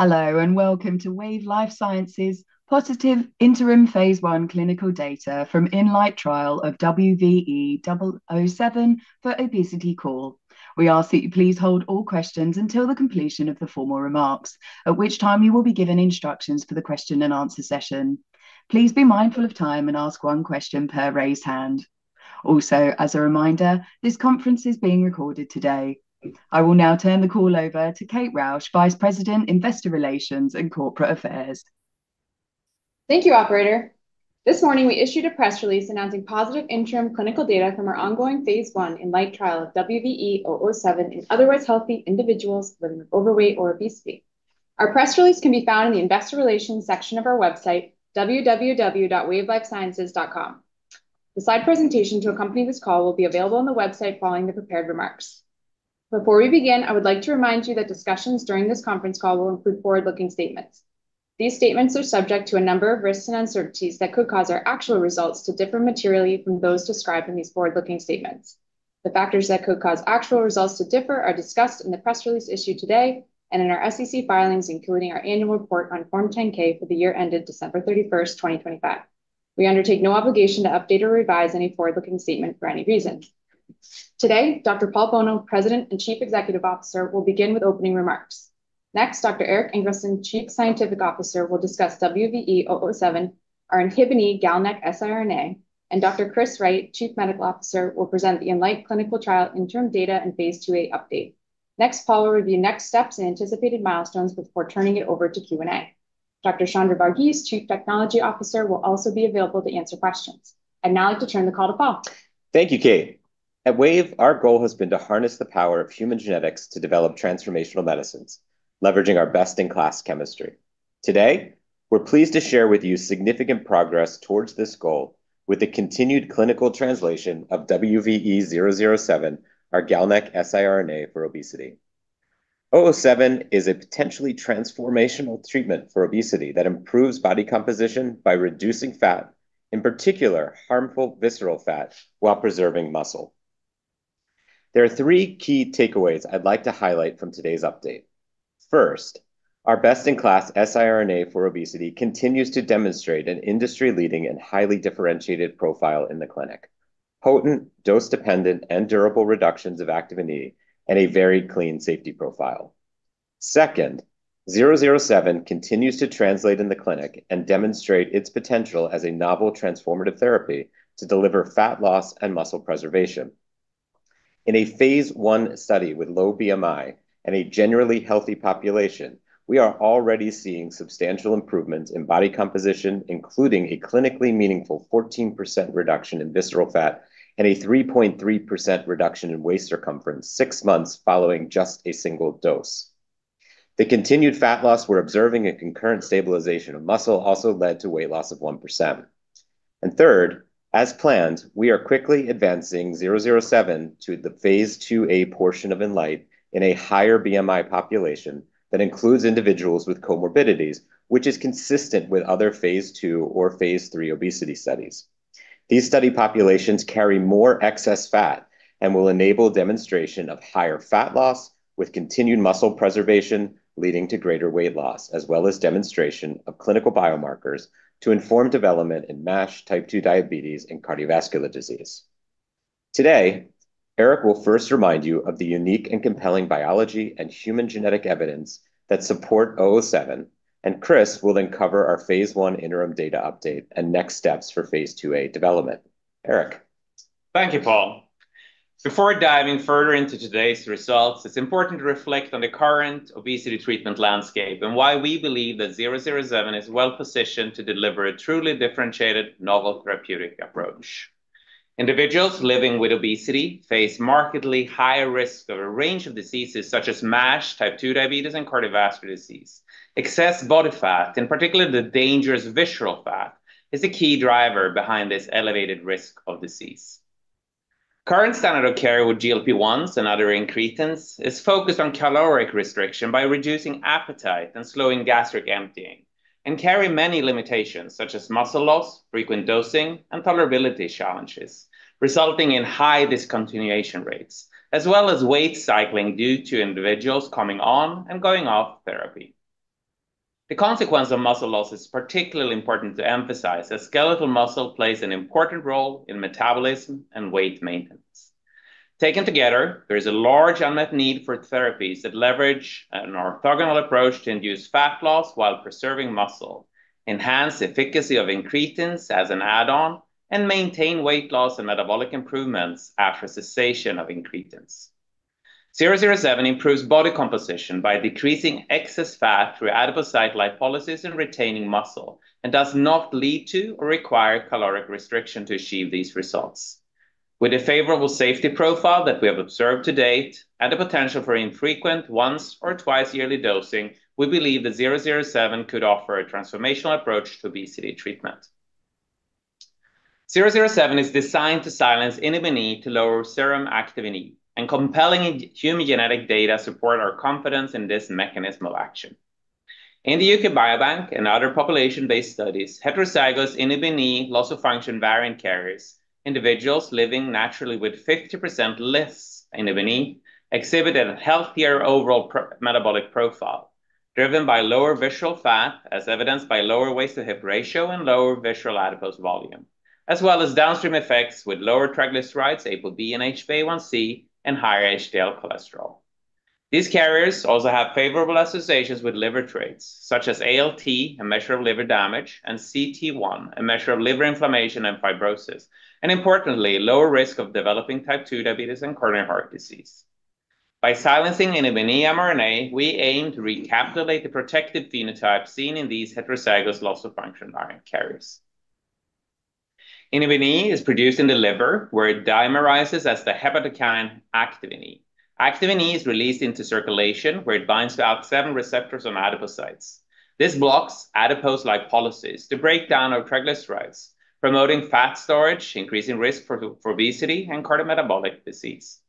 Hello, and welcome to Wave Life Sciences positive interim phase I clinical data from INLIGHT trial of WVE-007 for obesity call. We ask that you please hold all questions until the completion of the formal remarks, at which time you will be given instructions for the question and answer session. Please be mindful of time and ask one question per raised hand. Also, as a reminder, this conference is being recorded today. I will now turn the call over to Kate Roush, Vice President, Investor Relations and Corporate Affairs. Thank you, operator. This morning we issued a press release announcing positive interim clinical data from our ongoing phase I INLIGHT trial of WVE-007 in otherwise healthy individuals living with overweight or obesity. Our press release can be found in the investor relations section of our website www.wavelifesciences.com. The slide presentation to accompany this call will be available on the website following the prepared remarks. Before we begin, I would like to remind you that discussions during this conference call will include forward-looking statements. These statements are subject to a number of risks and uncertainties that could cause our actual results to differ materially from those described in these forward-looking statements. The factors that could cause actual results to differ are discussed in the press release issued today and in our SEC filings, including our annual report on Form 10-K for the year ended December 31st, 2025. We undertake no obligation to update or revise any forward-looking statement for any reason. Today, Dr. Paul Bolno, President and Chief Executive Officer, will begin with opening remarks. Next, Dr. Erik Ingelsson, Chief Scientific Officer, will discuss WVE-007, our inhibin E GalNAc siRNA. Dr. Chris Wright, Chief Medical Officer, will present the INLIGHT clinical trial interim data and phase II A update. Next, Paul will review next steps and anticipated milestones before turning it over to Q&A. Dr. Chandra Varghese, Chief Technology Officer, will also be available to answer questions. I'd now like to turn the call to Paul. Thank you, Kate. At Wave, our goal has been to harness the power of human genetics to develop transformational medicines, leveraging our best-in-class chemistry. Today, we're pleased to share with you significant progress towards this goal with the continued clinical translation of WVE-007, our GalNAc siRNA for obesity. 007 is a potentially transformational treatment for obesity that improves body composition by reducing fat, in particular harmful visceral fat, while preserving muscle. There are three key takeaways I'd like to highlight from today's update. First, our best-in-class siRNA for obesity continues to demonstrate an industry-leading and highly differentiated profile in the clinic, potent, dose-dependent and durable reductions of Activin E, and a very clean safety profile. Second, 007 continues to translate in the clinic and demonstrate its potential as a novel transformative therapy to deliver fat loss and muscle preservation. In a phase I study with low BMI and a generally healthy population, we are already seeing substantial improvements in body composition, including a clinically meaningful 14% reduction in visceral fat and a 3.3% reduction in waist circumference six months following just a single dose. The continued fat loss we're observing and concurrent stabilization of muscle also led to weight loss of 1%. Third, as planned, we are quickly advancing 007 to the phase II A portion of INLIGHT in a higher BMI population that includes individuals with comorbidities, which is consistent with other phase II or phase III obesity studies. These study populations carry more excess fat and will enable demonstration of higher fat loss with continued muscle preservation, leading to greater weight loss, as well as demonstration of clinical biomarkers to inform development in MASH type 2 diabetes and cardiovascular disease. Today, Erik will first remind you of the unique and compelling biology and human genetic evidence that support 007, and Chris will then cover our phase I interim data update and next steps for phase II/a development. Erik. Thank you, Paul. Before diving further into today's results, it's important to reflect on the current obesity treatment landscape and why we believe that 007 is well-positioned to deliver a truly differentiated novel therapeutic approach. Individuals living with obesity face markedly higher risk of a range of diseases such as MASH, type 2 diabetes, and cardiovascular disease. Excess body fat, in particular the dangerous visceral fat, is a key driver behind this elevated risk of disease. Current standard of care with GLP-1s and other incretins is focused on caloric restriction by reducing appetite and slowing gastric emptying, and carry many limitations such as muscle loss, frequent dosing, and tolerability challenges, resulting in high discontinuation rates, as well as weight cycling due to individuals coming on and going off therapy. The consequence of muscle loss is particularly important to emphasize, as skeletal muscle plays an important role in metabolism and weight maintenance. Taken together, there is a large unmet need for therapies that leverage an orthogonal approach to induce fat loss while preserving muscle, enhance efficacy of incretins as an add-on, and maintain weight loss and metabolic improvements after cessation of incretins. 007 improves body composition by decreasing excess fat through adipocyte lipolysis and retaining muscle, and does not lead to or require caloric restriction to achieve these results. With a favorable safety profile that we have observed to date and the potential for infrequent once or twice yearly dosing, we believe that 007 could offer a transformational approach to obesity treatment. 007 is designed to silence inhibin E to lower serum activin E, and compelling human genetic data support our confidence in this mechanism of action. In the U.K. Biobank and other population-based studies, heterozygous inhibin E loss-of-function variant carriers, individuals living naturally with 50% less inhibin E exhibit a healthier overall pro-metabolic profile driven by lower visceral fat, as evidenced by lower waist-to-hip ratio and lower visceral adipose volume, as well as downstream effects with lower triglycerides, ApoB, and HbA1c, and higher HDL cholesterol. These carriers also have favorable associations with liver traits, such as ALT, a measure of liver damage, and cT1, a measure of liver inflammation and fibrosis, and importantly, lower risk of developing type 2 diabetes and coronary heart disease. By silencing inhibin E mRNA, we aim to recapitulate the protective phenotype seen in these heterozygous loss-of-function variant carriers. Inhibin E is produced in the liver, where it dimerizes as the hepatokine Activin E. Activin E is released into circulation, where it binds to ALK7 receptors on adipocytes. This blocks adipose lipolysis, the breakdown of triglycerides, promoting fat storage, increasing risk for obesity and cardiometabolic disease.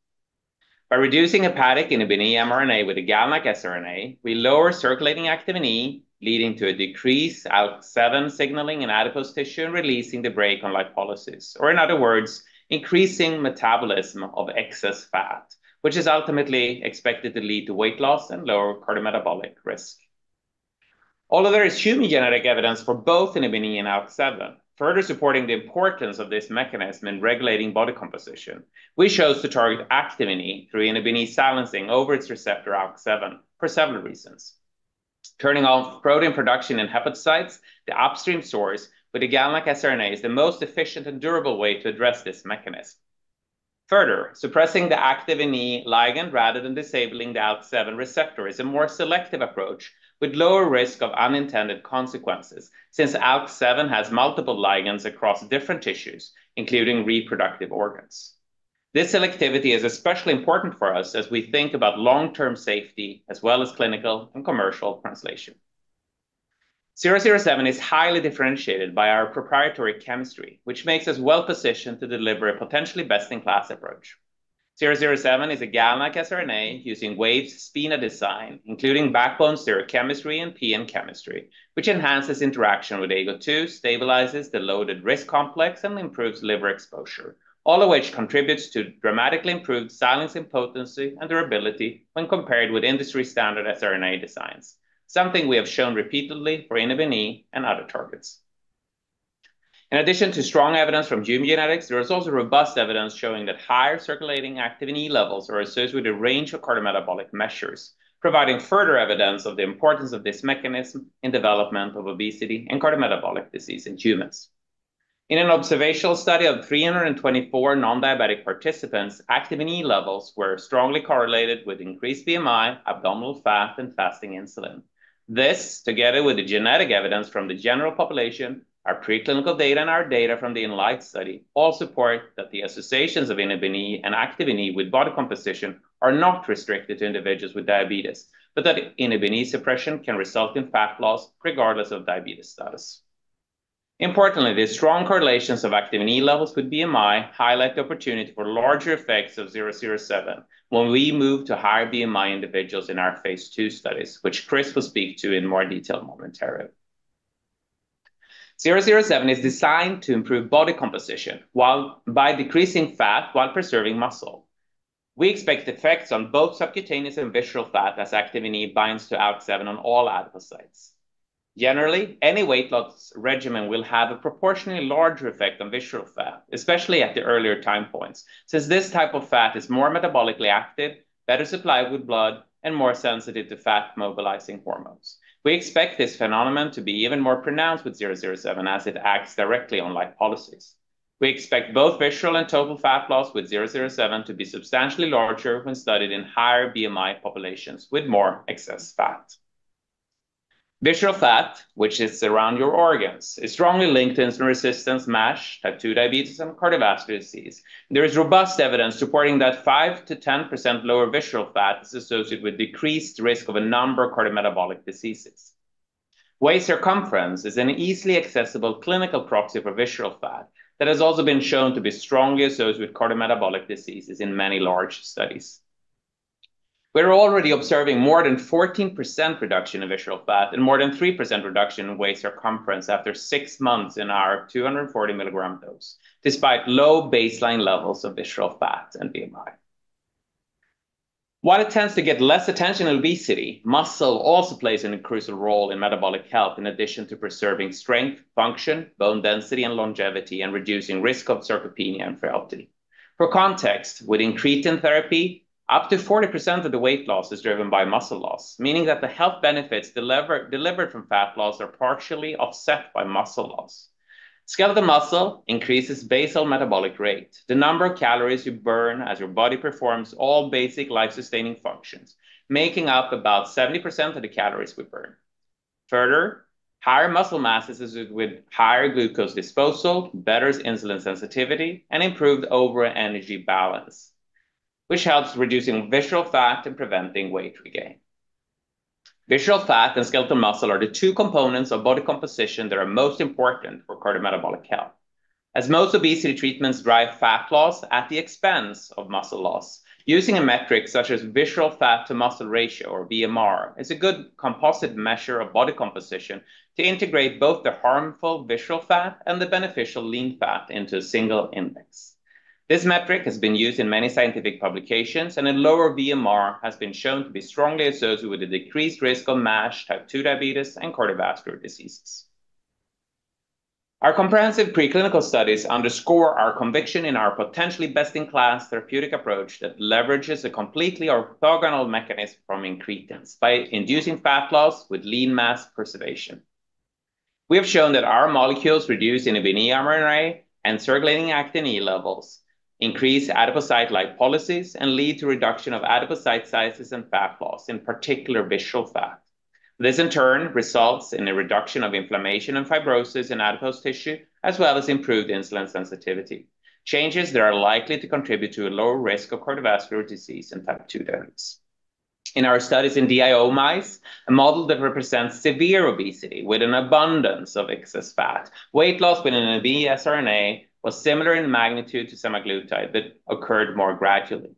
By reducing hepatic inhibin E mRNA with a GalNAc-siRNA, we lower circulating Activin E, leading to a decrease in ALK7 signaling in adipose tissue, releasing the brake on lipolysis, or in other words, increasing metabolism of excess fat, which is ultimately expected to lead to weight loss and lower cardiometabolic risk. Although there is human genetic evidence for both inhibin E and ALK7, further supporting the importance of this mechanism in regulating body composition, we chose to target Activin E through inhibin E silencing over its receptor, ALK7, for several reasons. Turning off protein production in hepatocytes, the upstream source with a GalNAc-siRNA is the most efficient and durable way to address this mechanism. Further, suppressing the Activin E ligand rather than disabling the ALK7 receptor is a more selective approach with lower risk of unintended consequences, since ALK7 has multiple ligands across different tissues, including reproductive organs. This selectivity is especially important for us as we think about long-term safety, as well as clinical and commercial translation. 007 is highly differentiated by our proprietary chemistry, which makes us well-positioned to deliver a potentially best-in-class approach. 007 is a GalNAc-siRNA using Wave's SpiNA design, including backbone stereochemistry and PN chemistry, which enhances interaction with AGO2, stabilizes the loaded RISC complex, and improves liver exposure, all of which contributes to dramatically improved silencing potency and durability when compared with industry-standard siRNA designs, something we have shown repeatedly for inhibin E and other targets. In addition to strong evidence from human genetics, there is also robust evidence showing that higher circulating activin E levels are associated with a range of cardiometabolic measures, providing further evidence of the importance of this mechanism in development of obesity and cardiometabolic disease in humans. In an observational study of 324 non-diabetic participants, activin E levels were strongly correlated with increased BMI, abdominal fat, and fasting insulin. This, together with the genetic evidence from the general population, our preclinical data, and our data from the INLIGHT study, all support that the associations of inhibin E and Activin E with body composition are not restricted to individuals with diabetes, but that inhibin E suppression can result in fat loss regardless of diabetes status. Importantly, the strong correlations of Activin E levels with BMI highlight the opportunity for larger effects of WVE-007 when we move to higher BMI individuals in our phase II studies, which Chris will speak to in more detail momentarily. 007 is designed to improve body composition by decreasing fat while preserving muscle. We expect effects on both subcutaneous and visceral fat as Activin E binds to ALK7 on all adipocytes. Generally, any weight loss regimen will have a proportionally larger effect on visceral fat, especially at the earlier time points, since this type of fat is more metabolically active, better supplied with blood, and more sensitive to fat-mobilizing hormones. We expect this phenomenon to be even more pronounced with 007 as it acts directly on lipolysis. We expect both visceral and total fat loss with 007 to be substantially larger when studied in higher BMI populations with more excess fat. Visceral fat, which is around your organs, is strongly linked to insulin resistance, MASH, type 2 diabetes, and cardiovascular disease. There is robust evidence supporting that 5%-10% lower visceral fat is associated with decreased risk of a number of cardiometabolic diseases. Waist circumference is an easily accessible clinical proxy for visceral fat that has also been shown to be strongly associated with cardiometabolic diseases in many large studies. We're already observing more than 14% reduction in visceral fat and more than 3% reduction in waist circumference after 6 months in our 240 mg dose, despite low baseline levels of visceral fat and BMI. While it tends to get less attention in obesity, muscle also plays a crucial role in metabolic health in addition to preserving strength, function, bone density, and longevity and reducing risk of sarcopenia and frailty. For context, with incretin therapy, up to 40% of the weight loss is driven by muscle loss, meaning that the health benefits delivered from fat loss are partially offset by muscle loss. Skeletal muscle increases basal metabolic rate, the number of calories you burn as your body performs all basic life-sustaining functions, making up about 70% of the calories we burn. Further, higher muscle mass is associated with higher glucose disposal, better insulin sensitivity, and improved overall energy balance, which helps reducing visceral fat and preventing weight regain. Visceral fat and skeletal muscle are the two components of body composition that are most important for cardiometabolic health. As most obesity treatments drive fat loss at the expense of muscle loss, using a metric such as Visceral Fat to Muscle Ratio, or VMR, is a good composite measure of body composition to integrate both the harmful visceral fat and the beneficial lean fat into a single index. This metric has been used in many scientific publications, and a lower VMR has been shown to be strongly associated with a decreased risk of MASH, type 2 diabetes, and cardiovascular diseases. Our comprehensive preclinical studies underscore our conviction in our potentially best-in-class therapeutic approach that leverages a completely orthogonal mechanism from incretins by inducing fat loss with lean mass preservation. We have shown that our molecules reduce INHBE mRNA and circulating Activin E levels, increase adipocyte lipolysis, and lead to reduction of adipocyte sizes and fat loss, in particular visceral fat. This in turn results in a reduction of inflammation and fibrosis in adipose tissue, as well as improved insulin sensitivity, changes that are likely to contribute to a lower risk of cardiovascular disease and type 2 diabetes. In our studies in DIO mice, a model that represents severe obesity with an abundance of excess fat, weight loss with an siRNA was similar in magnitude to semaglutide but occurred more gradually.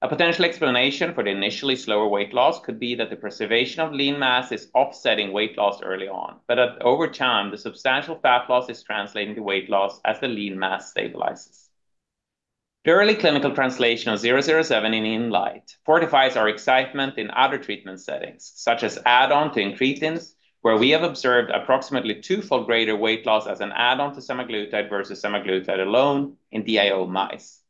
A potential explanation for the initially slower weight loss could be that the preservation of lean mass is offsetting weight loss early on, but over time, the substantial fat loss is translating to weight loss as the lean mass stabilizes. The early clinical translation of 007 in INLIGHT fortifies our excitement in other treatment settings, such as add-on to incretins, where we have observed approximately twofold greater weight loss as an add-on to semaglutide versus semaglutide alone in DIO mice.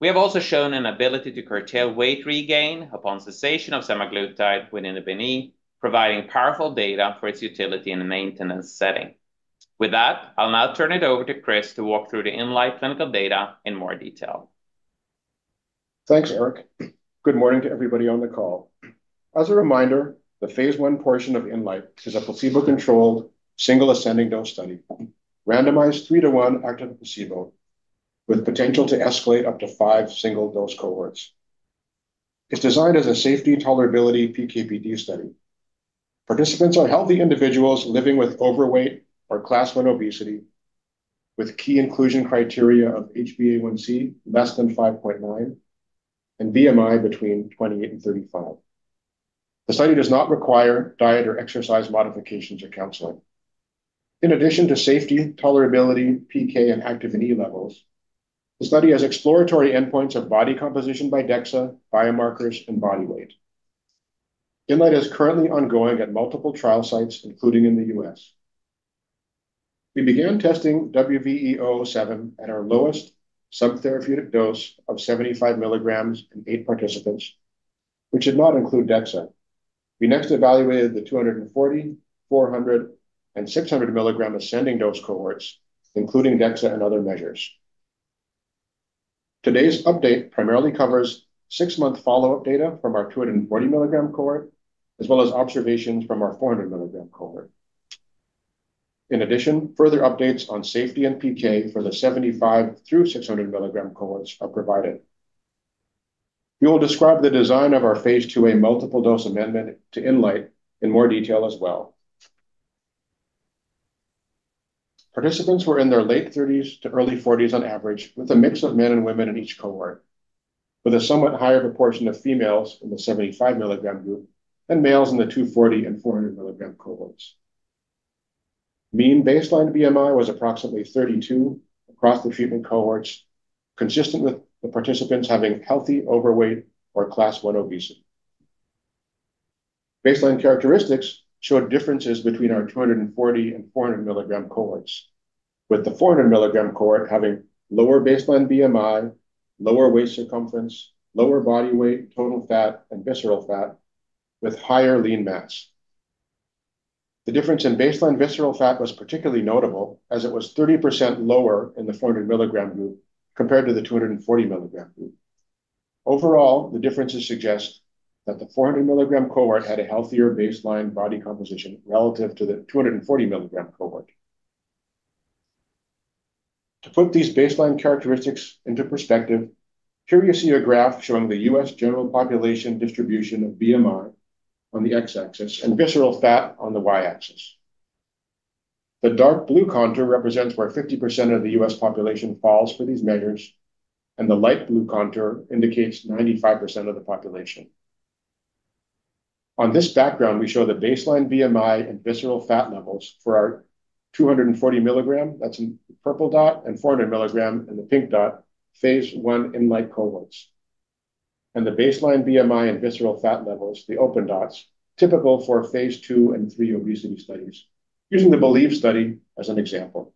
We have also shown an ability to curtail weight regain upon cessation of semaglutide INHBE, providing powerful data for its utility in a maintenance setting. With that, I'll now turn it over to Chris to walk through the INLIGHT clinical data in more detail. Thanks, Erik. Good morning to everybody on the call. As a reminder, the phase I portion of INLIGHT is a placebo-controlled, single ascending dose study, randomized 3:1 active placebo with potential to escalate up to five single dose cohorts. It's designed as a safety tolerability PK/PD study. Participants are healthy individuals living with overweight or class one obesity, with key inclusion criteria of HbA1c less than 5.9 and BMI between 28 and 35. The study does not require diet or exercise modifications or counseling. In addition to safety, tolerability, PK, and Activin E levels, the study has exploratory endpoints of body composition by DEXA, biomarkers, and body weight. INLIGHT is currently ongoing at multiple trial sites, including in the U.S. We began testing WVE-007 at our lowest subtherapeutic dose of 75 mg in eight participants, which did not include DEXA. We next evaluated the 240 mg, 400 mg, and 600 mg ascending dose cohorts, including DEXA and other measures. Today's update primarily covers six-month follow-up data from our 240 mg cohort, as well as observations from our 400 mg cohort. In addition, further updates on safety and PK for the 75 mg-600 mg cohorts are provided. We will describe the design of our phase II, a multiple dose amendment to INLIGHT in more detail as well. Participants were in their late 30s to early 40s on average, with a mix of men and women in each cohort, with a somewhat higher proportion of females in the 75 mg group and males in the 240 mg and 400 mg cohorts. Mean baseline BMI was approximately 32 across the treatment cohorts, consistent with the participants having healthy overweight or class one obesity. Baseline characteristics showed differences between our 240 mg and 400-mg cohorts, with the 400-mg cohort having lower baseline BMI, lower waist circumference, lower body weight, total fat, and visceral fat with higher lean mass. The difference in baseline visceral fat was particularly notable, as it was 30% lower in the 400-mg group compared to the 240-milligram group. Overall, the differences suggest that the 400-mg cohort had a healthier baseline body composition relative to the 240-mg cohort. To put these baseline characteristics into perspective, here you see a graph showing the U.S. general population distribution of BMI on the x-axis and visceral fat on the y-axis. The dark blue contour represents where 50% of the U.S. population falls for these measures, and the light blue contour indicates 95% of the population. On this background, we show the baseline BMI and visceral fat levels for our 240 mg, that's in purple dot, and 400 mg in the pink dot, phase I INLIGHT cohorts. The baseline BMI and visceral fat levels, the open dots, typical for phase II and III obesity studies, using the BELIEVE study as an example.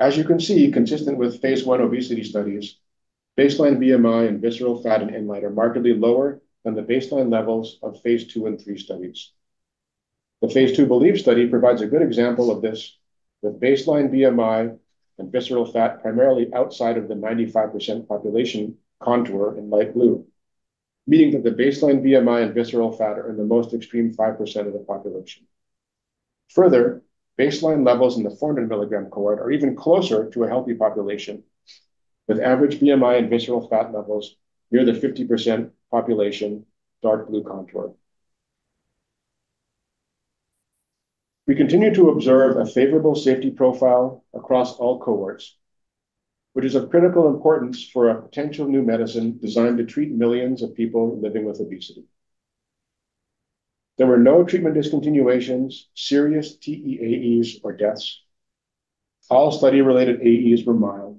As you can see, consistent with phase I obesity studies, baseline BMI and visceral fat in INLIGHT are markedly lower than the baseline levels of phase II and III studies. The phase II BELIEVE study provides a good example of this, with baseline BMI and visceral fat primarily outside of the 95% population contour in light blue, meaning that the baseline BMI and visceral fat are in the most extreme 5% of the population. Further, baseline levels in the 400 mg cohort are even closer to a healthy population, with average BMI and visceral fat levels near the 50% population dark blue contour. We continue to observe a favorable safety profile across all cohorts, which is of critical importance for a potential new medicine designed to treat millions of people living with obesity. There were no treatment discontinuations, serious TEAEs, or deaths. All study-related AEs were mild.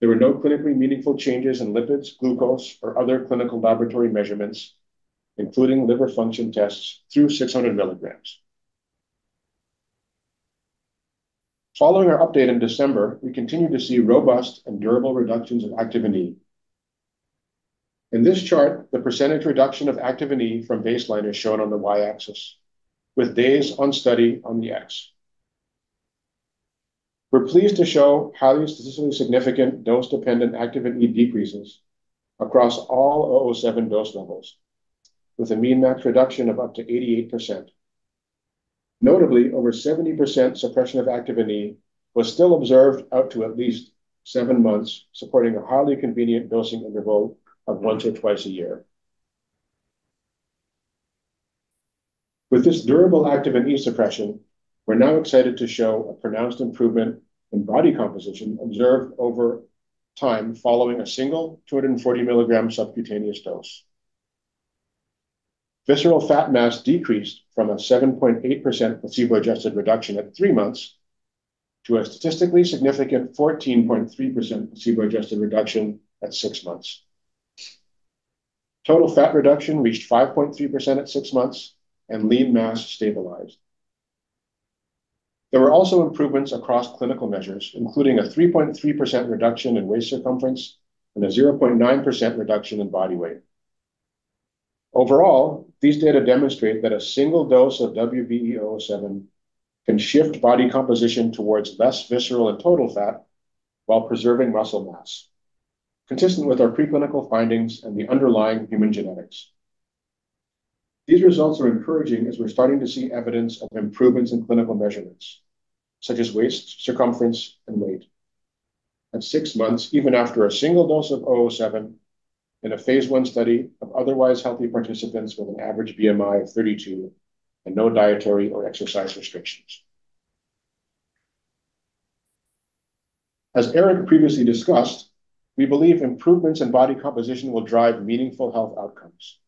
There were no clinically meaningful changes in lipids, glucose, or other clinical laboratory measurements, including liver function tests through 600 mg. Following our update in December, we continue to see robust and durable reductions in Activin E. In this chart, the percentage reduction of Activin E from baseline is shown on the Y-axis, with days on study on the X. We're pleased to show highly statistically significant dose-dependent Activin E decreases across all 007 dose levels, with a mean max reduction of up to 88%. Notably, over 70% suppression of Activin E was still observed out to at least seven months, supporting a highly convenient dosing interval of once or twice a year. With this durable Activin E suppression, we're now excited to show a pronounced improvement in body composition observed over time following a single 240 mg subcutaneous dose. Visceral fat mass decreased from a 7.8% placebo-adjusted reduction at three months to a statistically significant 14.3% placebo-adjusted reduction at six months. Total fat reduction reached 5.3% at six months, and lean mass stabilized. There were also improvements across clinical measures, including a 3.3% reduction in waist circumference and a 0.9% reduction in body weight. Overall, these data demonstrate that a single dose of WVE-007 can shift body composition towards less visceral and total fat while preserving muscle mass, consistent with our preclinical findings and the underlying human genetics. These results are encouraging as we're starting to see evidence of improvements in clinical measurements, such as waist circumference and weight. At six months, even after a single dose of 007 in a phase I study of otherwise healthy participants with an average BMI of 32 and no dietary or exercise restrictions. As Erik previously discussed, we believe improvements in body composition will drive meaningful health outcomes.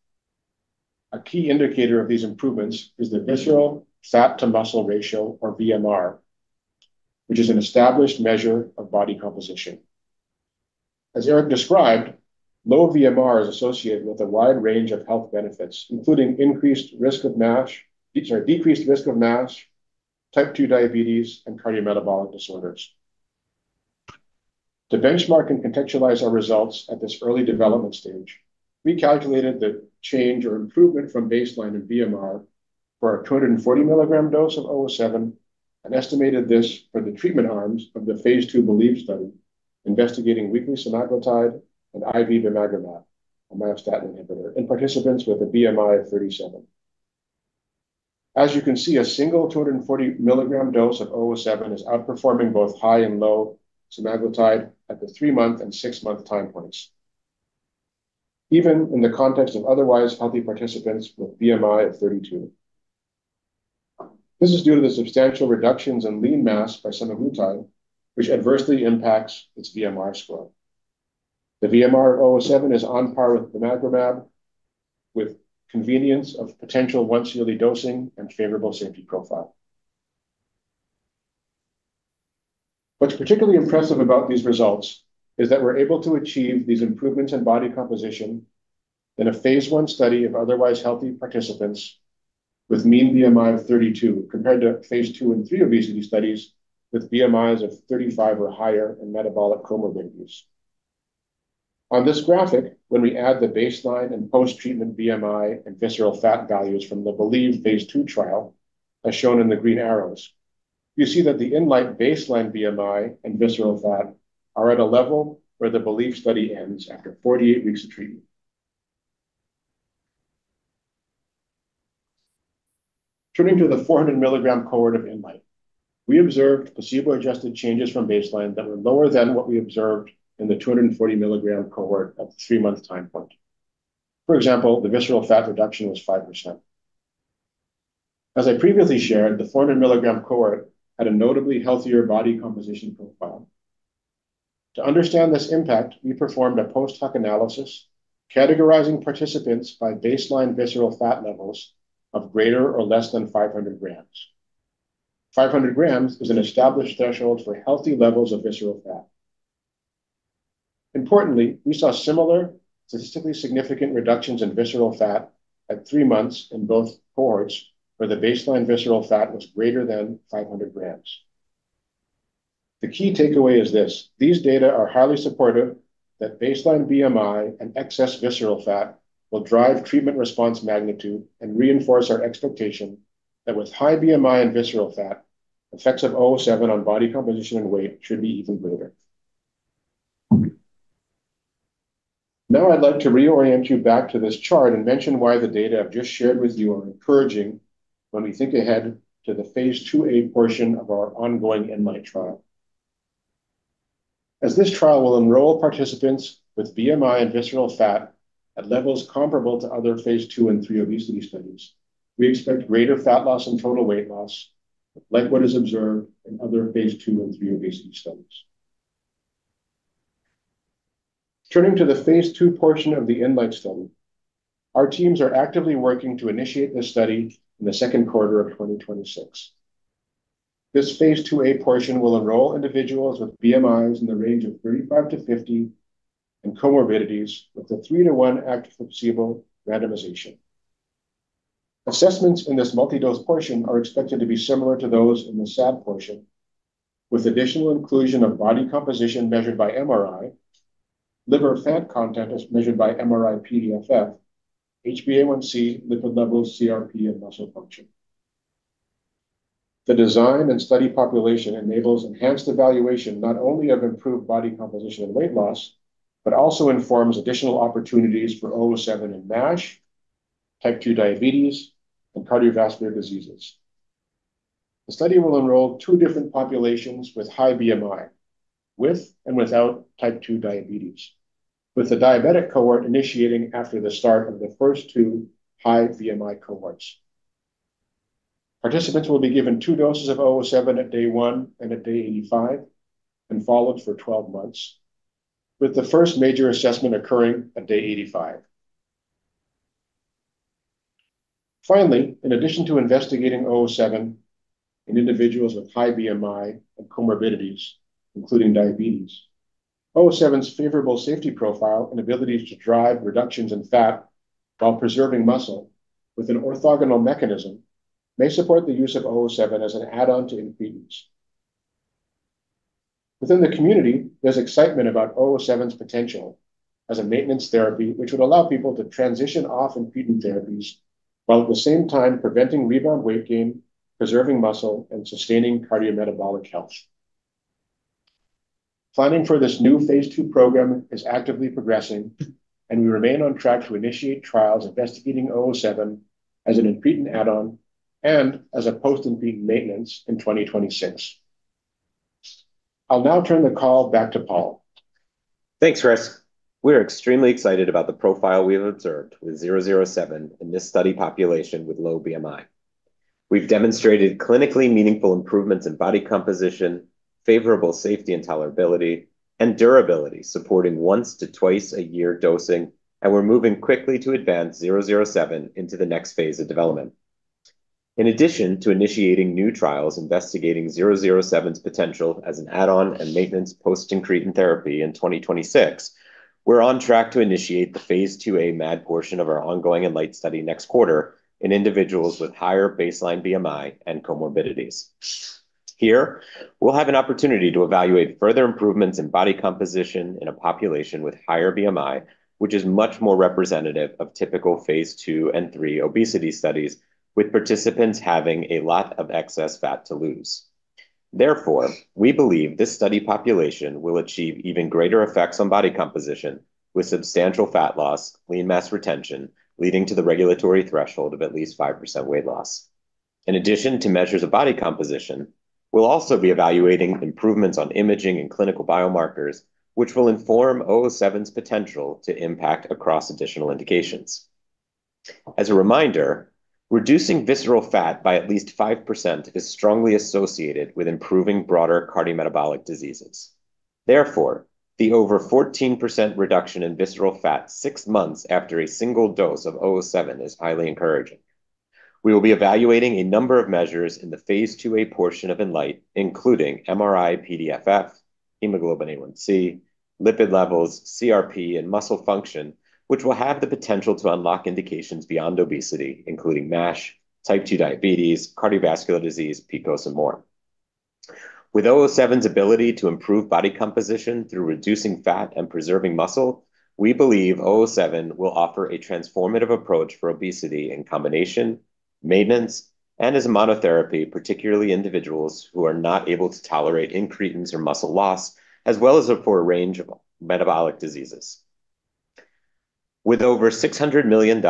A key indicator of these improvements is the visceral fat-to-muscle ratio, or VMR, which is an established measure of body composition. As Erik described, low VMR is associated with a wide range of health benefits, including increased risk of MASH or decreased risk of MASH, type 2 diabetes, and cardiometabolic disorders. To benchmark and contextualize our results at this early development stage, we calculated the change or improvement from baseline in VMR for our 240 mg dose of WVE-007 and estimated this for the treatment arms of the phase II BELIEVE study investigating weekly semaglutide and IV bimagrumab, a myostatin inhibitor, in participants with a BMI of 37. As you can see, a single 240 mg dose of 007 is outperforming both high and low semaglutide at the three-month and six-month time points, even in the context of otherwise healthy participants with BMI of 32. This is due to the substantial reductions in lean mass by semaglutide, which adversely impacts its VMR score. The VMR 007 is on par with bimagrumab with convenience of potential once-yearly dosing and favorable safety profile. What's particularly impressive about these results is that we're able to achieve these improvements in body composition in a phase I study of otherwise healthy participants with mean BMI of 32, compared to phase II and III obesity studies with BMIs of 35 or higher in metabolic comorbidities. On this graphic, when we add the baseline and post-treatment BMI and visceral fat values from the BELIEVE phase II trial, as shown in the green arrows, you see that the INLIGHT baseline BMI and visceral fat are at a level where the BELIEVE study ends after 48 weeks of treatment. Turning to the 400 mg cohort of INLIGHT, we observed placebo-adjusted changes from baseline that were lower than what we observed in the 240 mg cohort at the three-month time point. For example, the visceral fat reduction was 5%. As I previously shared, the 400 mg cohort had a notably healthier body composition profile. To understand this impact, we performed a post-hoc analysis categorizing participants by baseline visceral fat levels of greater or less than 500 g. 500 g is an established threshold for healthy levels of visceral fat. Importantly, we saw similar statistically significant reductions in visceral fat at three months in both cohorts where the baseline visceral fat was greater than 500 g. The key takeaway is this. These data are highly supportive that baseline BMI and excess visceral fat will drive treatment response magnitude and reinforce our expectation that with high BMI and visceral fat, effects of 007 on body composition and weight should be even greater. Now I'd like to reorient you back to this chart and mention why the data I've just shared with you are encouraging when we think ahead to the phase II/a portion of our ongoing INLIGHT trial. As this trial will enroll participants with BMI and visceral fat at levels comparable to other phase II and III obesity studies, we expect greater fat loss and total weight loss like what is observed in other phase II and III obesity studies. Turning to the phase II portion of the INLIGHT study, our teams are actively working to initiate this study in the second quarter of 2026. This phase II/a portion will enroll individuals with BMIs in the range of 35-50 and comorbidities with a 3-to-1 active placebo randomization. Assessments in this multi-dose portion are expected to be similar to those in the SAD portion, with additional inclusion of body composition measured by MRI, liver fat content as measured by MRI-PDFF, HbA1c, lipid levels, CRP, and muscle function. The design and study population enables enhanced evaluation not only of improved body composition and weight loss, but also informs additional opportunities for 007 in MASH, type 2 diabetes, and cardiovascular diseases. The study will enroll two different populations with high BMI, with and without type 2 diabetes, with the diabetic cohort initiating after the start of the first two high BMI cohorts. Participants will be given two doses of 007 at day one and at day 85 and followed for 12 months, with the first major assessment occurring at day 85. Finally, in addition to investigating 007 in individuals with high BMI and comorbidities, including diabetes, 007's favorable safety profile and ability to drive reductions in fat while preserving muscle with an orthogonal mechanism may support the use of 007 as an add-on to incretins. Within the community, there's excitement about 007's potential as a maintenance therapy, which would allow people to transition off incretin therapies while at the same time preventing rebound weight gain, preserving muscle, and sustaining cardiometabolic health. Planning for this new phase II program is actively progressing, and we remain on track to initiate trials investigating 007 as an incretin add-on and as a post-incretin maintenance in 2026. I'll now turn the call back to Paul. Thanks, Chris. We're extremely excited about the profile we have observed with 007 in this study population with low BMI. We've demonstrated clinically meaningful improvements in body composition, favorable safety and tolerability, and durability, supporting once to twice-a-year dosing, and we're moving quickly to advance 007 into the next phase of development. In addition to initiating new trials investigating 007's potential as an add-on and maintenance post-incretin therapy in 2026, we're on track to initiate the phase II/a MAD portion of our ongoing INLIGHT study next quarter in individuals with higher baseline BMI and comorbidities. Here, we'll have an opportunity to evaluate further improvements in body composition in a population with higher BMI, which is much more representative of typical phase II and III obesity studies, with participants having a lot of excess fat to lose. Therefore, we believe this study population will achieve even greater effects on body composition with substantial fat loss, lean mass retention, leading to the regulatory threshold of at least 5% weight loss. In addition to measures of body composition, we'll also be evaluating improvements on imaging and clinical biomarkers, which will inform 007's potential to impact across additional indications. As a reminder, reducing visceral fat by at least 5% is strongly associated with improving broader cardiometabolic diseases. Therefore, the over 14% reduction in visceral fat six months after a single dose of 007 is highly encouraging. We will be evaluating a number of measures in the phase II/a portion of INLIGHT, including MRI-PDFF, HbA1c, lipid levels, CRP, and muscle function, which will have the potential to unlock indications beyond obesity, including MASH, type 2 diabetes, cardiovascular disease, PCOS, and more. With 007's ability to improve body composition through reducing fat and preserving muscle, we believe 007 will offer a transformative approach for obesity in combination, maintenance, and as a monotherapy, particularly individuals who are not able to tolerate incretins or muscle loss, as well as for a range of metabolic diseases. With over $600 million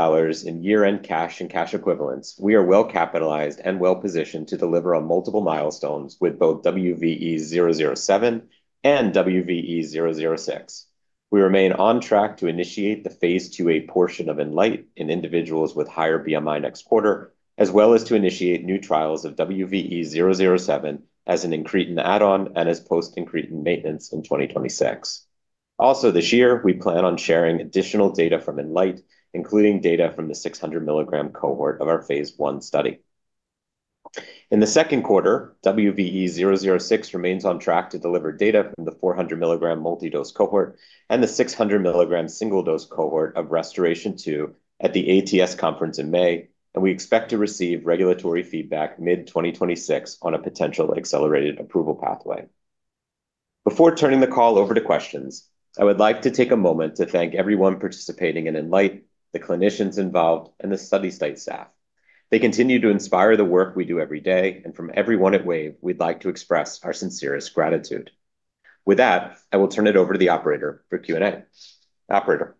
in year-end cash and cash equivalents, we are well-capitalized and well-positioned to deliver on multiple milestones with both WVE-007 and WVE-006. We remain on track to initiate the phase II A portion of INLIGHT in individuals with higher BMI next quarter, as well as to initiate new trials of WVE-007 as an incretin add-on and as post-incretin maintenance in 2026. Also this year, we plan on sharing additional data from INLIGHT, including data from the 600 mg cohort of our phase I study. In the second quarter, WVE-006 remains on track to deliver data from the 400 mg multi-dose cohort and the 600 mg single-dose cohort of RestorAATion-2 at the ATS conference in May, and we expect to receive regulatory feedback mid-2026 on a potential accelerated approval pathway. Before turning the call over to questions, I would like to take a moment to thank everyone participating in INLIGHT, the clinicians involved, and the study site staff. They continue to inspire the work we do every day, and from everyone at Wave, we'd like to express our sincerest gratitude. With that, I will turn it over to the operator for Q&A. Operator?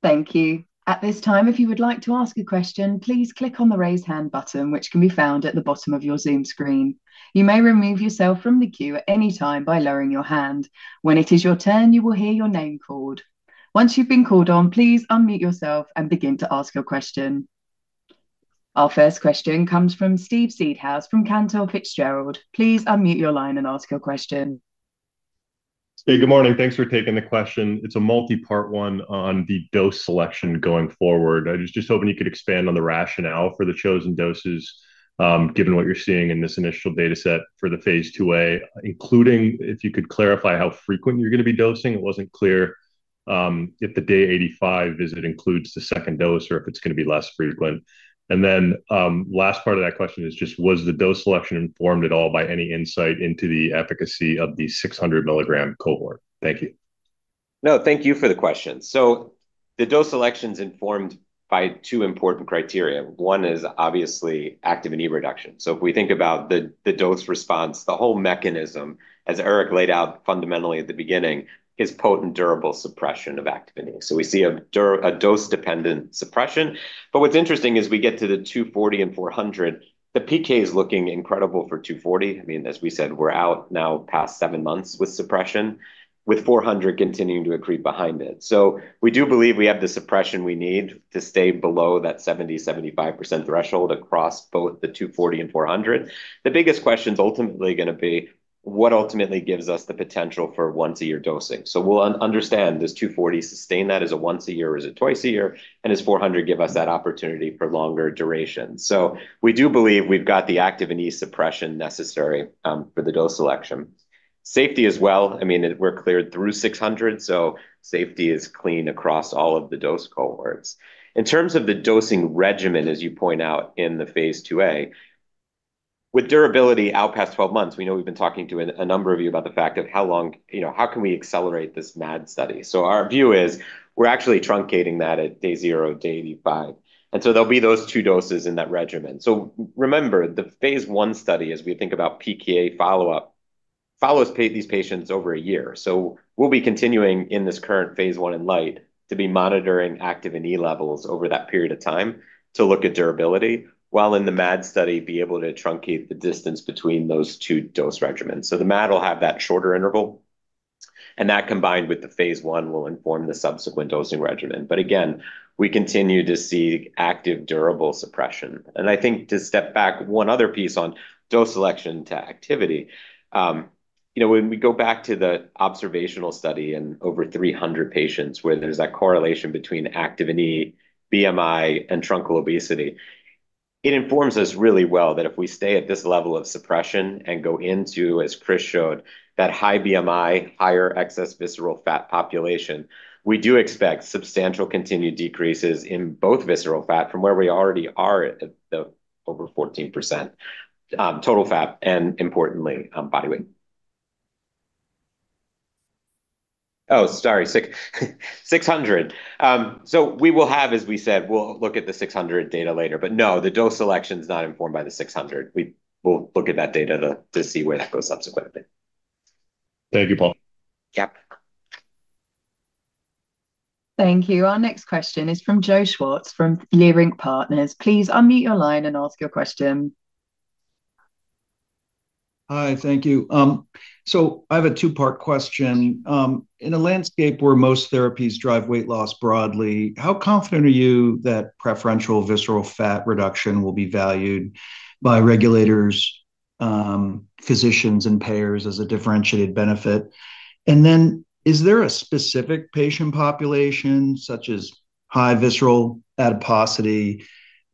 Thank you. At this time, if you would like to ask a question, please click on the Raise Hand button, which can be found at the bottom of your Zoom screen. You may remove yourself from the queue at any time by lowering your hand. When it is your turn, you will hear your name called. Once you've been called on, please unmute yourself and begin to ask your question. Our first question comes from Steve Seedhouse from Cantor Fitzgerald. Please unmute your line and ask your question. Hey, good morning. Thanks for taking the question. It's a multi-part one on the dose selection going forward. I was just hoping you could expand on the rationale for the chosen doses, given what you're seeing in this initial data set for the phase II/a, including if you could clarify how frequent you're gonna be dosing. It wasn't clear, if the day 85 visit includes the second dose or if it's gonna be less frequent. Last part of that question is just was the dose selection informed at all by any insight into the efficacy of the 600 mg cohort? Thank you. No, thank you for the question. The dose selection is informed by two important criteria. One is obviously Activin E reduction. If we think about the dose response, the whole mechanism, as Erik laid out fundamentally at the beginning, is potent, durable suppression of Activin E. We see a dose-dependent suppression. What's interesting is we get to the 240 and 400. The PK is looking incredible for 240. I mean, as we said, we're out now past seven months with suppression, with 400 continuing to accrete behind it. We do believe we have the suppression we need to stay below that 70%-75% threshold across both the 240 and 400. The biggest question is ultimately gonna be what ultimately gives us the potential for once a year dosing. We'll understand does 240 sustain that as a once a year or is it twice a year, and does 400 give us that opportunity for longer duration. We do believe we've got the Activin E suppression necessary for the dose selection. Safety as well, I mean, we're cleared through 600, so safety is clean across all of the dose cohorts. In terms of the dosing regimen, as you point out in the phase II/a, with durability out past 12 months, we know we've been talking to a number of you about the fact that how long you know, how can we accelerate this MAD study. Our view is we're actually truncating that at day zero day 85. There'll be those two doses in that regimen. Remember, the phase I study, as we think about PK follow-up, follows these patients over a year. We'll be continuing in this current phase I INLIGHT to be monitoring Activin E levels over that period of time to look at durability, while in the MAD study be able to truncate the distance between those two dose regimens. The MAD will have that shorter interval, and that combined with the phase I will inform the subsequent dosing regimen. Again, we continue to see active durable suppression. I think to step back, one other piece on dose selection to activity, you know, when we go back to the observational study in over 300 patients where there's that correlation between Activin E, BMI, and truncal obesity, it informs us really well that if we stay at this level of suppression and go into, as Chris showed, that high BMI, higher excess visceral fat population, we do expect substantial continued decreases in both visceral fat from where we already are at the over 14%, total fat and importantly, body weight. Oh, sorry, 600. We will have, as we said, we'll look at the 600 data later. No, the dose selection is not informed by the 600. We'll look at that data to see where that goes subsequently. Thank you, Paul. Yep. Thank you. Our next question is from Joseph Schwartz from Leerink Partners. Please unmute your line and ask your question. Hi, thank you. I have a two-part question. In a landscape where most therapies drive weight loss broadly, how confident are you that preferential visceral fat reduction will be valued by regulators, physicians, and payers as a differentiated benefit? Is there a specific patient population such as high visceral adiposity,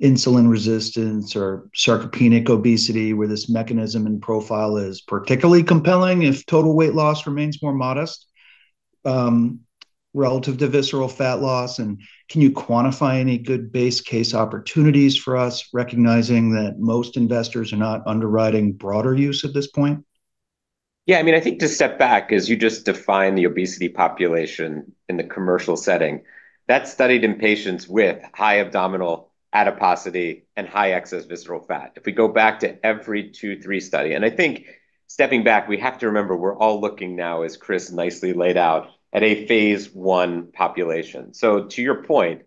insulin resistance, or sarcopenic obesity, where this mechanism and profile is particularly compelling if total weight loss remains more modest, relative to visceral fat loss? Can you quantify any good base case opportunities for us, recognizing that most investors are not underwriting broader use at this point? Yeah, I mean, I think to step back is you just define the obesity population in the commercial setting. That's studied in patients with high abdominal adiposity and high excess visceral fat. If we go back to every two, three study, and I think stepping back, we have to remember we're all looking now, as Chris nicely laid out, at a phase I population. To your point,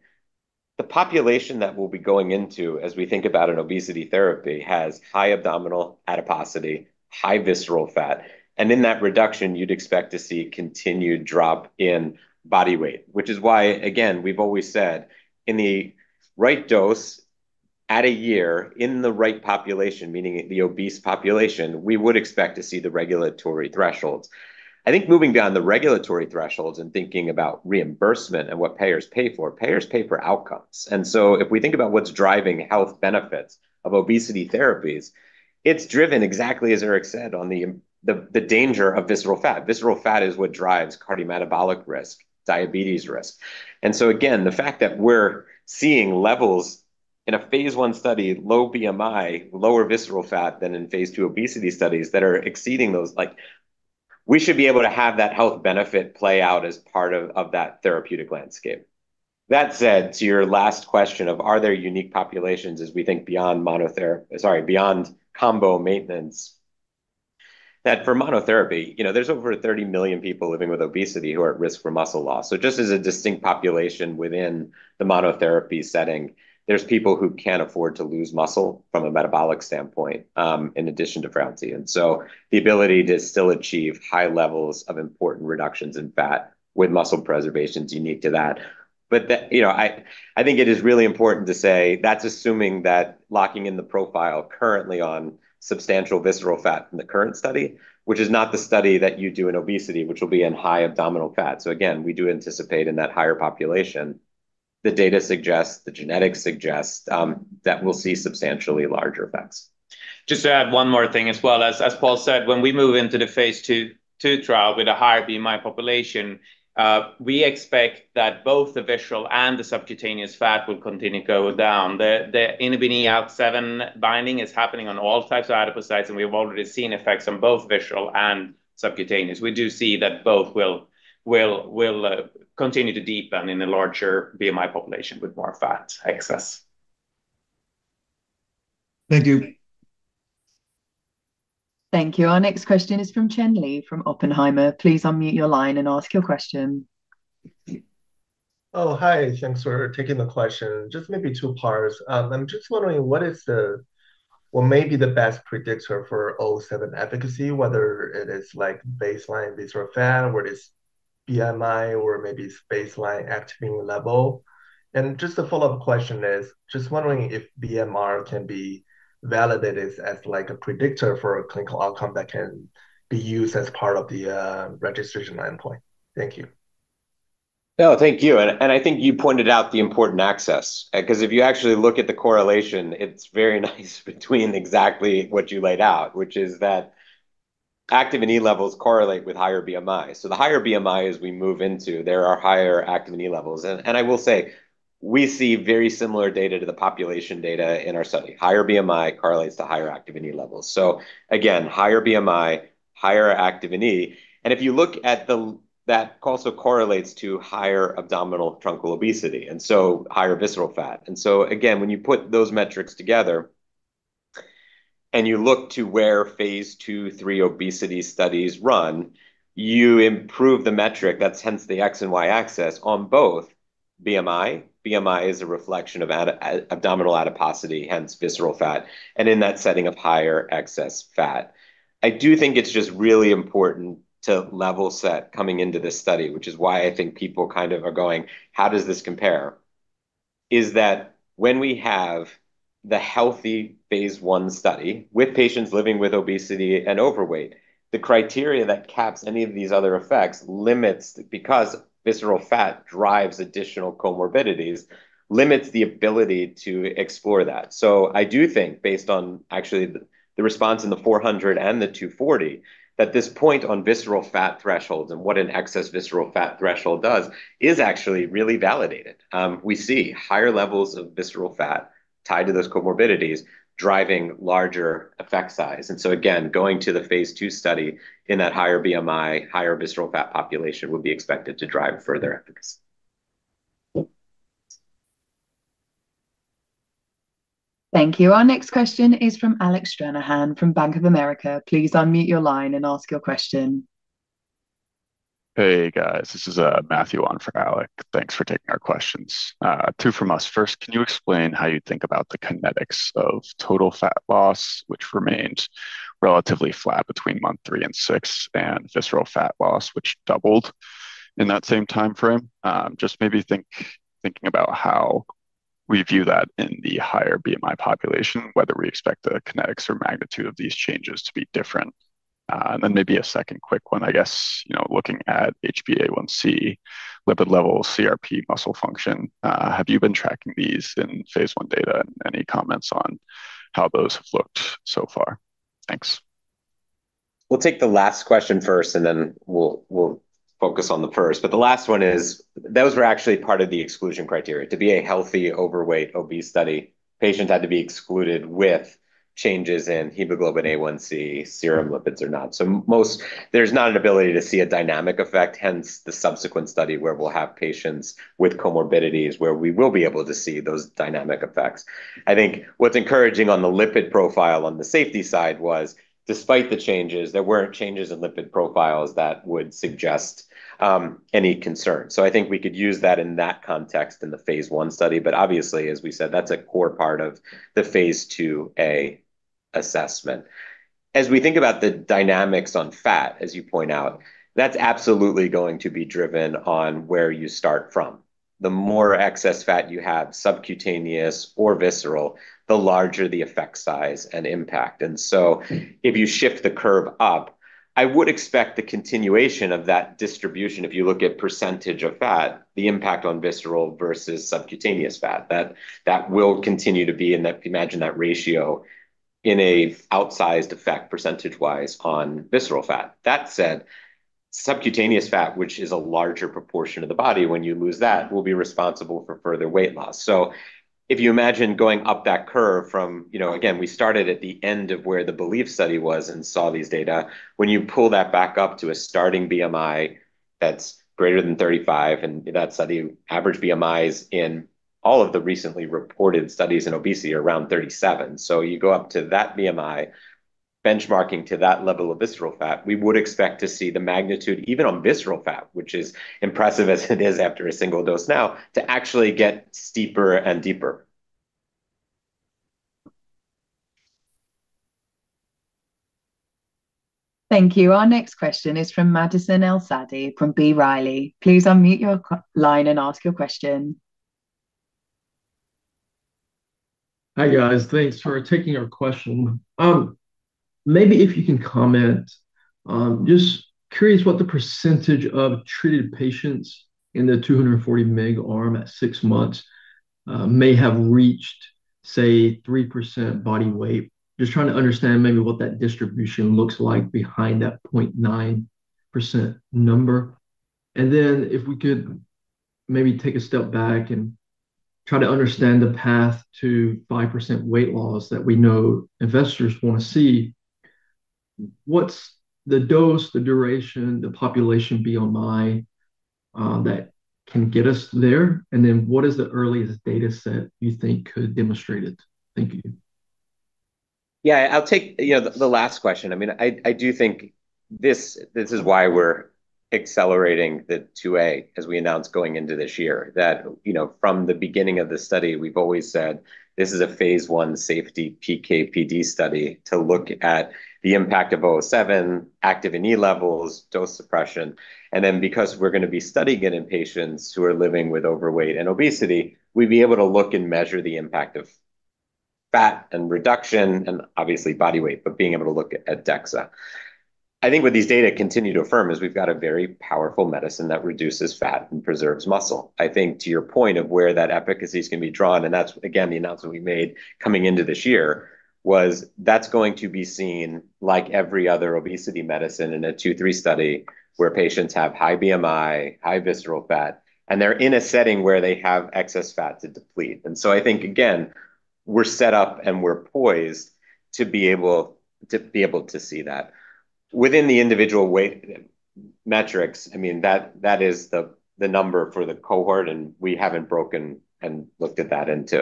the population that we'll be going into as we think about an obesity therapy has high abdominal adiposity, high visceral fat, and in that reduction, you'd expect to see continued drop in body weight, which is why, again, we've always said in the right dose at a year in the right population, meaning the obese population, we would expect to see the regulatory thresholds. I think moving down the regulatory thresholds and thinking about reimbursement and what payers pay for, payers pay for outcomes. If we think about what's driving health benefits of obesity therapies, it's driven exactly as Erik said on the danger of visceral fat. Visceral fat is what drives cardiometabolic risk, diabetes risk. Again, the fact that we're seeing levels in a phase I study, low BMI, lower visceral fat than in phase II obesity studies that are exceeding those, like we should be able to have that health benefit play out as part of that therapeutic landscape. That said, to your last question of are there unique populations as we think beyond combo maintenance, that for monotherapy, you know, there's over 30 million people living with obesity who are at risk for muscle loss. Just as a distinct population within the monotherapy setting, there's people who can't afford to lose muscle from a metabolic standpoint, in addition to frailty. The ability to still achieve high levels of important reductions in fat with muscle preservation is unique to that. That, you know, I think it is really important to say that's assuming that locking in the profile currently on substantial visceral fat in the current study, which is not the study that you do in obesity, which will be in high abdominal fat. Again, we do anticipate in that higher population, the data suggests, the genetics suggests, that we'll see substantially larger effects. Just to add one more thing as well. As Paul said, when we move into the phase II trial with a higher BMI population, we expect that both the visceral and the subcutaneous fat will continue to go down. The inhibin E 007 binding is happening on all types of adipocytes, and we have already seen effects on both visceral and subcutaneous. We do see that both will continue to deepen in a larger BMI population with more fat excess. Thank you. Thank you. Our next question is from Cheng Li from Oppenheimer. Please unmute your line and ask your question. Oh, hi. Thanks for taking the question. Just maybe two parts. I'm just wondering what may be the best predictor for WVE-007 efficacy, whether it is like baseline visceral fat or it is BMI or maybe it's baseline Activin E level. Just a follow-up question is, just wondering if VMR can be validated as, like, a predictor for a clinical outcome that can be used as part of the registration endpoint. Thank you. No, thank you. I think you pointed out the important axis. Because if you actually look at the correlation, it's very nice between exactly what you laid out, which is that Activin E levels correlate with higher BMI. The higher BMI as we move into, there are higher Activin E levels. I will say we see very similar data to the population data in our study. Higher BMI correlates to higher Activin E levels. Again, higher BMI, higher Activin E. If you look at that also correlates to higher abdominal truncal obesity, and higher visceral fat. When you put those metrics together and you look to where phase II, III obesity studies run, you improve the metric that's hence the X and Y axis on both BMI. BMI is a reflection of abdominal adiposity, hence visceral fat, and in that setting of higher excess fat. I do think it's just really important to level set coming into this study, which is why I think people kind of are going, how does this compare? Is that when we have the healthy phase I study with patients living with obesity and overweight, the criteria that caps any of these other effects limits because visceral fat drives additional comorbidities, limits the ability to explore that. I do think based on actually the response in the 400 and the 240, that this point on visceral fat thresholds and what an excess visceral fat threshold does is actually really validated. We see higher levels of visceral fat tied to those comorbidities driving larger effect size. Again, going to the phase II study in that higher BMI, higher visceral fat population would be expected to drive further efficacy. Thank you. Our next question is from Alec Stranahan from Bank of America. Please unmute your line and ask your question. Hey, guys. This is Matthew on for Alec. Thanks for taking our questions. Two from us. First, can you explain how you think about the kinetics of total fat loss, which remained relatively flat between month three and six, and visceral fat loss, which doubled in that same timeframe? Just maybe thinking about how we view that in the higher BMI population, whether we expect the kinetics or magnitude of these changes to be different. Maybe a second quick one, I guess, you know, looking at HbA1c lipid levels, CRP muscle function, have you been tracking these in phase I data? Any comments on how those have looked so far? Thanks. We'll take the last question first, and then we'll focus on the first. The last one is that those were actually part of the exclusion criteria. To be a healthy, overweight, obese study, patients had to be excluded with changes in hemoglobin A1c, serum lipids or ALT. There's not an ability to see a dynamic effect, hence the subsequent study where we'll have patients with comorbidities, where we will be able to see those dynamic effects. I think what's encouraging on the lipid profile, on the safety side, was that despite the changes, there weren't changes in lipid profiles that would suggest any concern. I think we could use that in that context in the phase I study. Obviously, as we said, that's a core part of the phase II/a assessment. As we think about the dynamics on fat, as you point out, that's absolutely going to be driven on where you start from. The more excess fat you have, subcutaneous or visceral, the larger the effect size and impact. If you shift the curve up, I would expect the continuation of that distribution, if you look at percentage of fat, the impact on visceral versus subcutaneous fat, that will continue to be in that, imagine that ratio in an outsized effect percentage-wise on visceral fat. That said, subcutaneous fat, which is a larger proportion of the body, when you lose that, will be responsible for further weight loss. If you imagine going up that curve from, you know, again, we started at the end of where the BELIEVE study was and saw these data. When you pull that back up to a starting BMI that's greater than 35, and in that study, average BMIs in all of the recently reported studies in obesity are around 37. You go up to that BMI benchmarking to that level of visceral fat, we would expect to see the magnitude even on visceral fat, which is impressive as it is after a single dose now, to actually get steeper and deeper. Thank you. Our next question is from Madison Elsaadi from B. Riley. Please unmute your line and ask your question. Hi, guys. Thanks for taking our question. Maybe if you can comment, just curious what the percentage of treated patients in the 240 mg arm at six months may have reached, say, 3% body weight. Just trying to understand maybe what that distribution looks like behind that 0.9% number. If we could maybe take a step back and try to understand the path to 5% weight loss that we know investors wanna see. What's the dose, the duration, the population BMI that can get us there? What is the earliest data set you think could demonstrate it? Thank you. Yeah, I'll take, you know, the last question. I mean, I do think this is why we're accelerating the 2A, as we announced going into this year, that, you know, from the beginning of this study, we've always said this is a phase I safety PK/PD study to look at the impact of 007, Activin E levels, dose suppression. Then because we're gonna be studying it in patients who are living with overweight and obesity, we'd be able to look and measure the impact of fat reduction and obviously body weight, but being able to look at DEXA. I think what these data continue to affirm is we've got a very powerful medicine that reduces fat and preserves muscle. I think to your point of where that efficacy is gonna be drawn, and that's again, the announcement we made coming into this year, was that's going to be seen like every other obesity medicine in a phase II/III study where patients have high BMI, high visceral fat, and they're in a setting where they have excess fat to deplete. I think again, we're set up and we're poised to be able to see that. Within the individual weight metrics, I mean, that is the number for the cohort, and we haven't broken down and looked at that into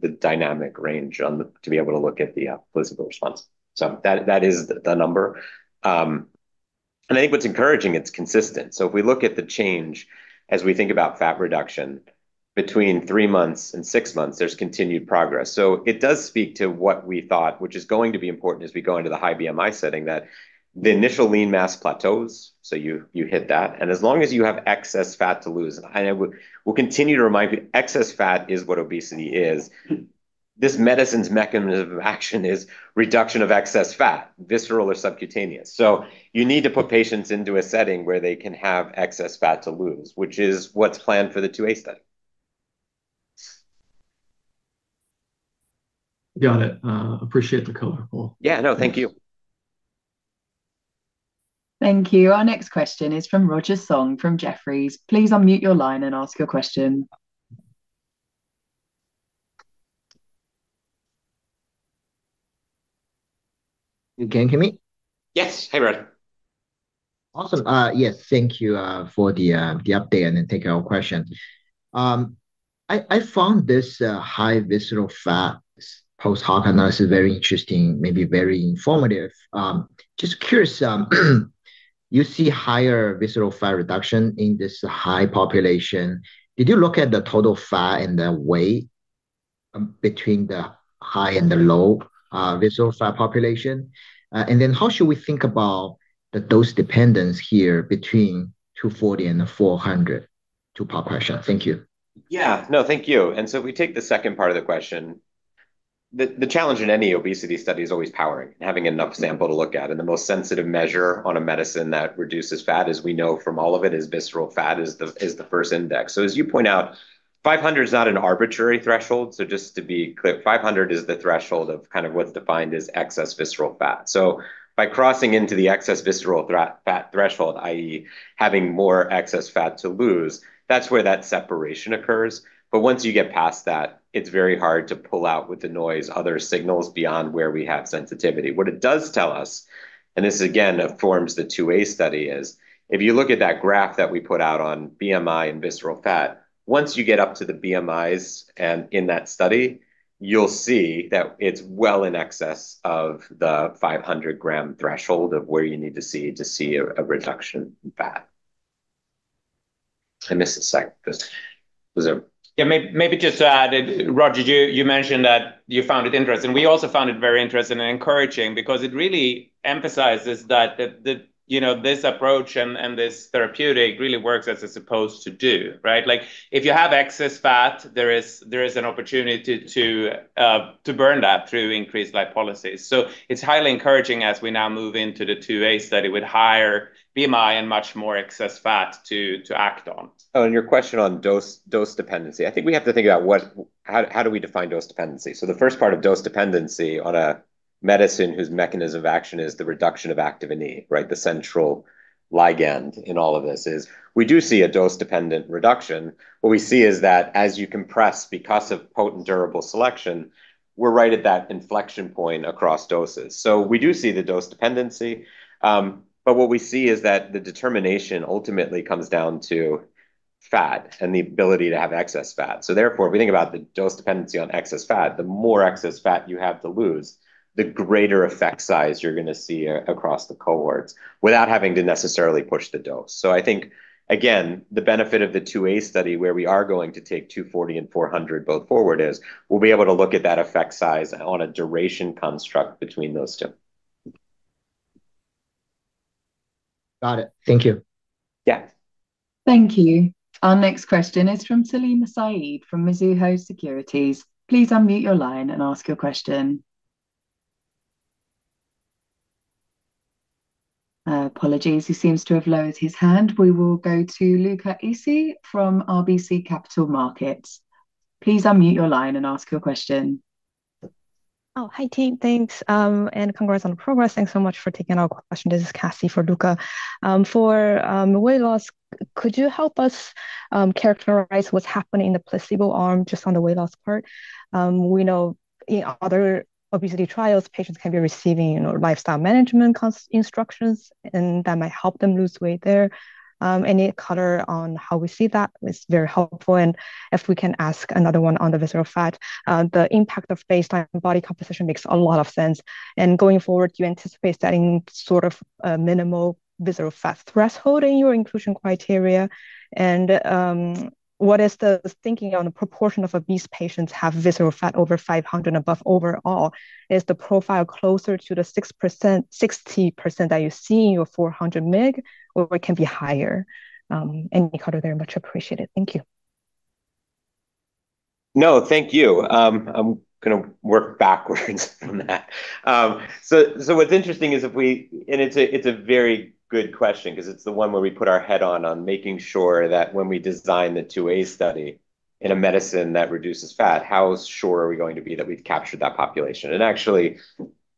the dynamic range, to be able to look at the placebo response. That is the number. I think what's encouraging, it's consistent. If we look at the change as we think about fat reduction between three months and six months, there's continued progress. It does speak to what we thought, which is going to be important as we go into the high BMI setting, that the initial lean mass plateaus, so you hit that. As long as you have excess fat to lose, and I will continue to remind you, excess fat is what obesity is. This medicine's mechanism of action is reduction of excess fat, visceral or subcutaneous. You need to put patients into a setting where they can have excess fat to lose, which is what's planned for the II/a study. Got it. Appreciate the color. Cool. Yeah, no, thank you. Thank you. Our next question is from Roger Song from Jefferies. Please unmute your line and ask your question. You can hear me? Yes. Hey, Roger. Awesome. Yes, thank you for the update and taking our question. I found this high visceral fat post-hoc analysis very interesting, maybe very informative. Just curious, you see higher visceral fat reduction in this high population. Did you look at the total fat and the weight between the high and the low visceral fat population? How should we think about the dose dependence here between 240 mg and the 400 mg population? Thank you. Yeah. No, thank you. If we take the second part of the question, the challenge in any obesity study is always powering and having enough sample to look at. The most sensitive measure on a medicine that reduces fat, as we know from all of it, is visceral fat, the first index. As you point out, 500 is not an arbitrary threshold. Just to be clear, 500 is the threshold of kind of what's defined as excess visceral fat. By crossing into the excess visceral threshold, i.e., having more excess fat to lose, that's where that separation occurs. Once you get past that, it's very hard to pull out with the noise other signals beyond where we have sensitivity. What it does tell us, and this again informs the II/a study, is if you look at that graph that we put out on BMI and visceral fat, once you get up to the BMIs and in that study, you'll see that it's well in excess of the 500-gram threshold of where you need to see a reduction in fat. I missed the second question. Was there- Yeah. Maybe just to add, Roger, you mentioned that you found it interesting. We also found it very interesting and encouraging because it really emphasizes that, you know, this approach and this therapeutic really works as it's supposed to do, right? Like, if you have excess fat, there is an opportunity to burn that through increased lipolysis. So it's highly encouraging as we now move into the II/a study with higher BMI and much more excess fat to act on. Oh, your question on dose dependency. I think we have to think about what—how do we define dose dependency? The first part of dose dependency on a medicine whose mechanism of action is the reduction of Activin E, right, the central ligand in all of this is we do see a dose-dependent reduction. What we see is that as you compress because of potent durable selection, we're right at that inflection point across doses. We do see the dose dependency, but what we see is that the determination ultimately comes down to fat and the ability to have excess fat. Therefore, we think about the dose dependency on excess fat. The more excess fat you have to lose, the greater effect size you're gonna see across the cohorts without having to necessarily push the dose. I think, again, the benefit of the II/a study, where we are going to take 240 and 400 both forward, is we'll be able to look at that effect size on a duration construct between those two. Got it. Thank you. Yeah. Thank you. Our next question is from Salim Syed from Mizuho Securities. Please unmute your line and ask your question. Apologies. He seems to have lowered his hand. We will go to Luca Issi from RBC Capital Markets. Please unmute your line and ask your question. Oh, hi team. Thanks, and congrats on the progress. Thanks so much for taking our question. This is Cassie for Luca. For weight loss, could you help us characterize what's happening in the placebo arm just on the weight loss part? We know in other obesity trials, patients can be receiving, you know, lifestyle management instructions, and that might help them lose weight there. Any color on how we see that is very helpful, and if we can ask another one on the visceral fat. The impact of baseline body composition makes a lot of sense, and going forward, do you anticipate setting sort of a minimal visceral fat threshold in your inclusion criteria? What is the thinking on the proportion of obese patients have visceral fat over 500 and above overall? Is the profile closer to the 60% that you see in your 400 mg, or it can be higher? Any color there much appreciated. Thank you. No, thank you. I'm gonna work backwards from that. What's interesting is, and it's a very good question 'cause it's the one where we put our head on making sure that when we design the II/a study in a medicine that reduces fat, how sure are we going to be that we've captured that population? Actually,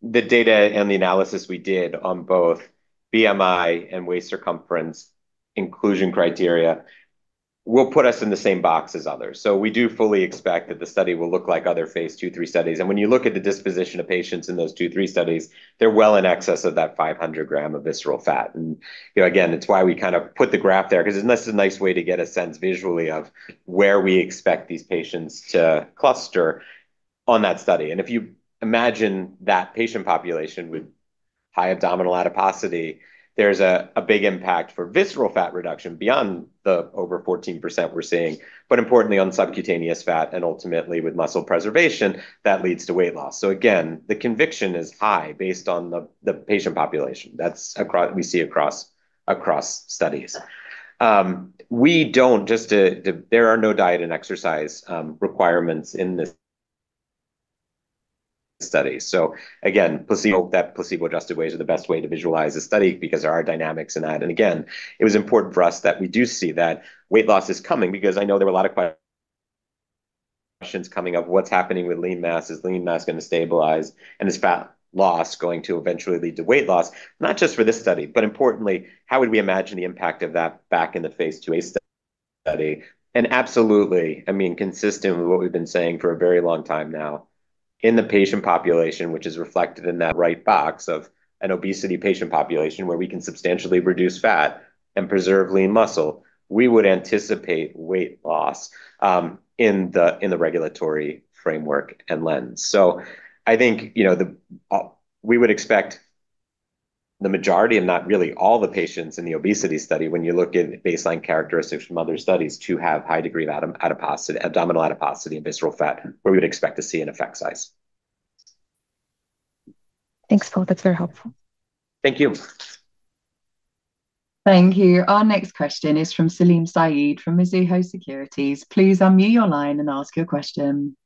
the data and the analysis we did on both BMI and waist circumference inclusion criteria will put us in the same box as others. We do fully expect that the study will look like other phase II/III studies. When you look at the disposition of patients in those phase II/III studies, they're well in excess of that 500 g of visceral fat. You know, again, it's why we kind of put the graph there 'cause it's a nice way to get a sense visually of where we expect these patients to cluster on that study. If you imagine that patient population with high abdominal adiposity, there's a big impact for visceral fat reduction beyond the over 14% we're seeing, but importantly on subcutaneous fat and ultimately with muscle preservation, that leads to weight loss. Again, the conviction is high based on the patient population. That's what we see across studies. There are no diet and exercise requirements in this study. Again, that placebo-adjusted weight are the best way to visualize a study because there are dynamics in that. Again, it was important for us that we do see that weight loss is coming because I know there were a lot of questions coming up. What's happening with lean mass? Is lean mass gonna stabilize? Is fat loss going to eventually lead to weight loss? Not just for this study, but importantly, how would we imagine the impact of that back in the phase II/a study? Absolutely, I mean, consistent with what we've been saying for a very long time now, in the patient population, which is reflected in that right box of an obesity patient population where we can substantially reduce fat and preserve lean muscle, we would anticipate weight loss in the regulatory framework and lens. I think, you know, we would expect the majority and not really all the patients in the obesity study, when you look at baseline characteristics from other studies, to have high degree of abdominal adiposity and visceral fat, where we would expect to see an effect size. Thanks, Paul. That's very helpful. Thank you. Thank you. Our next question is from Salim Syed from Mizuho Securities. Please unmute your line and ask your question.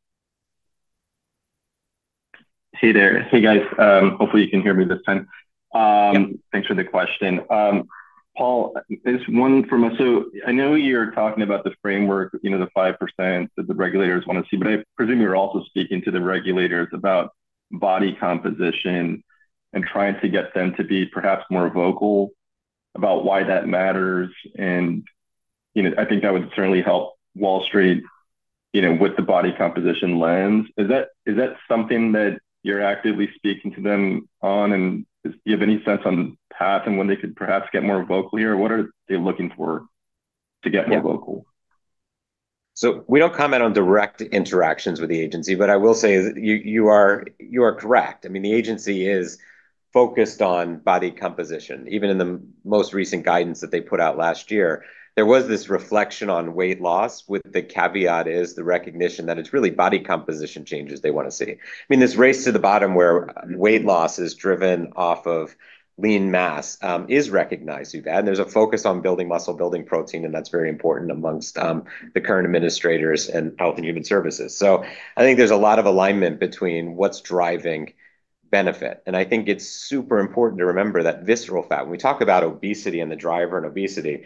Hey there. Hey, guys. Hopefully you can hear me this time. Thanks for the question. Paul, just one from us. I know you're talking about the framework, you know, the 5% that the regulators wanna see, but I presume you're also speaking to the regulators about body composition and trying to get them to be perhaps more vocal about why that matters. You know, I think that would certainly help Wall Street, you know, with the body composition lens. Is that something that you're actively speaking to them on? Do you have any sense on the path and when they could perhaps get more vocal here? What are they looking for to get more vocal? We don't comment on direct interactions with the agency, but I will say you are correct. I mean, the agency is focused on body composition. Even in the most recent guidance that they put out last year, there was this reflection on weight loss, with the caveat is the recognition that it's really body composition changes they wanna see. I mean, this race to the bottom where weight loss is driven off of lean mass is recognized, if you ask. There's a focus on building muscle, building protein, and that's very important among the current administrators in Health and Human Services. I think there's a lot of alignment between what's driving benefit. I think it's super important to remember that visceral fat. When we talk about obesity and the driver in obesity,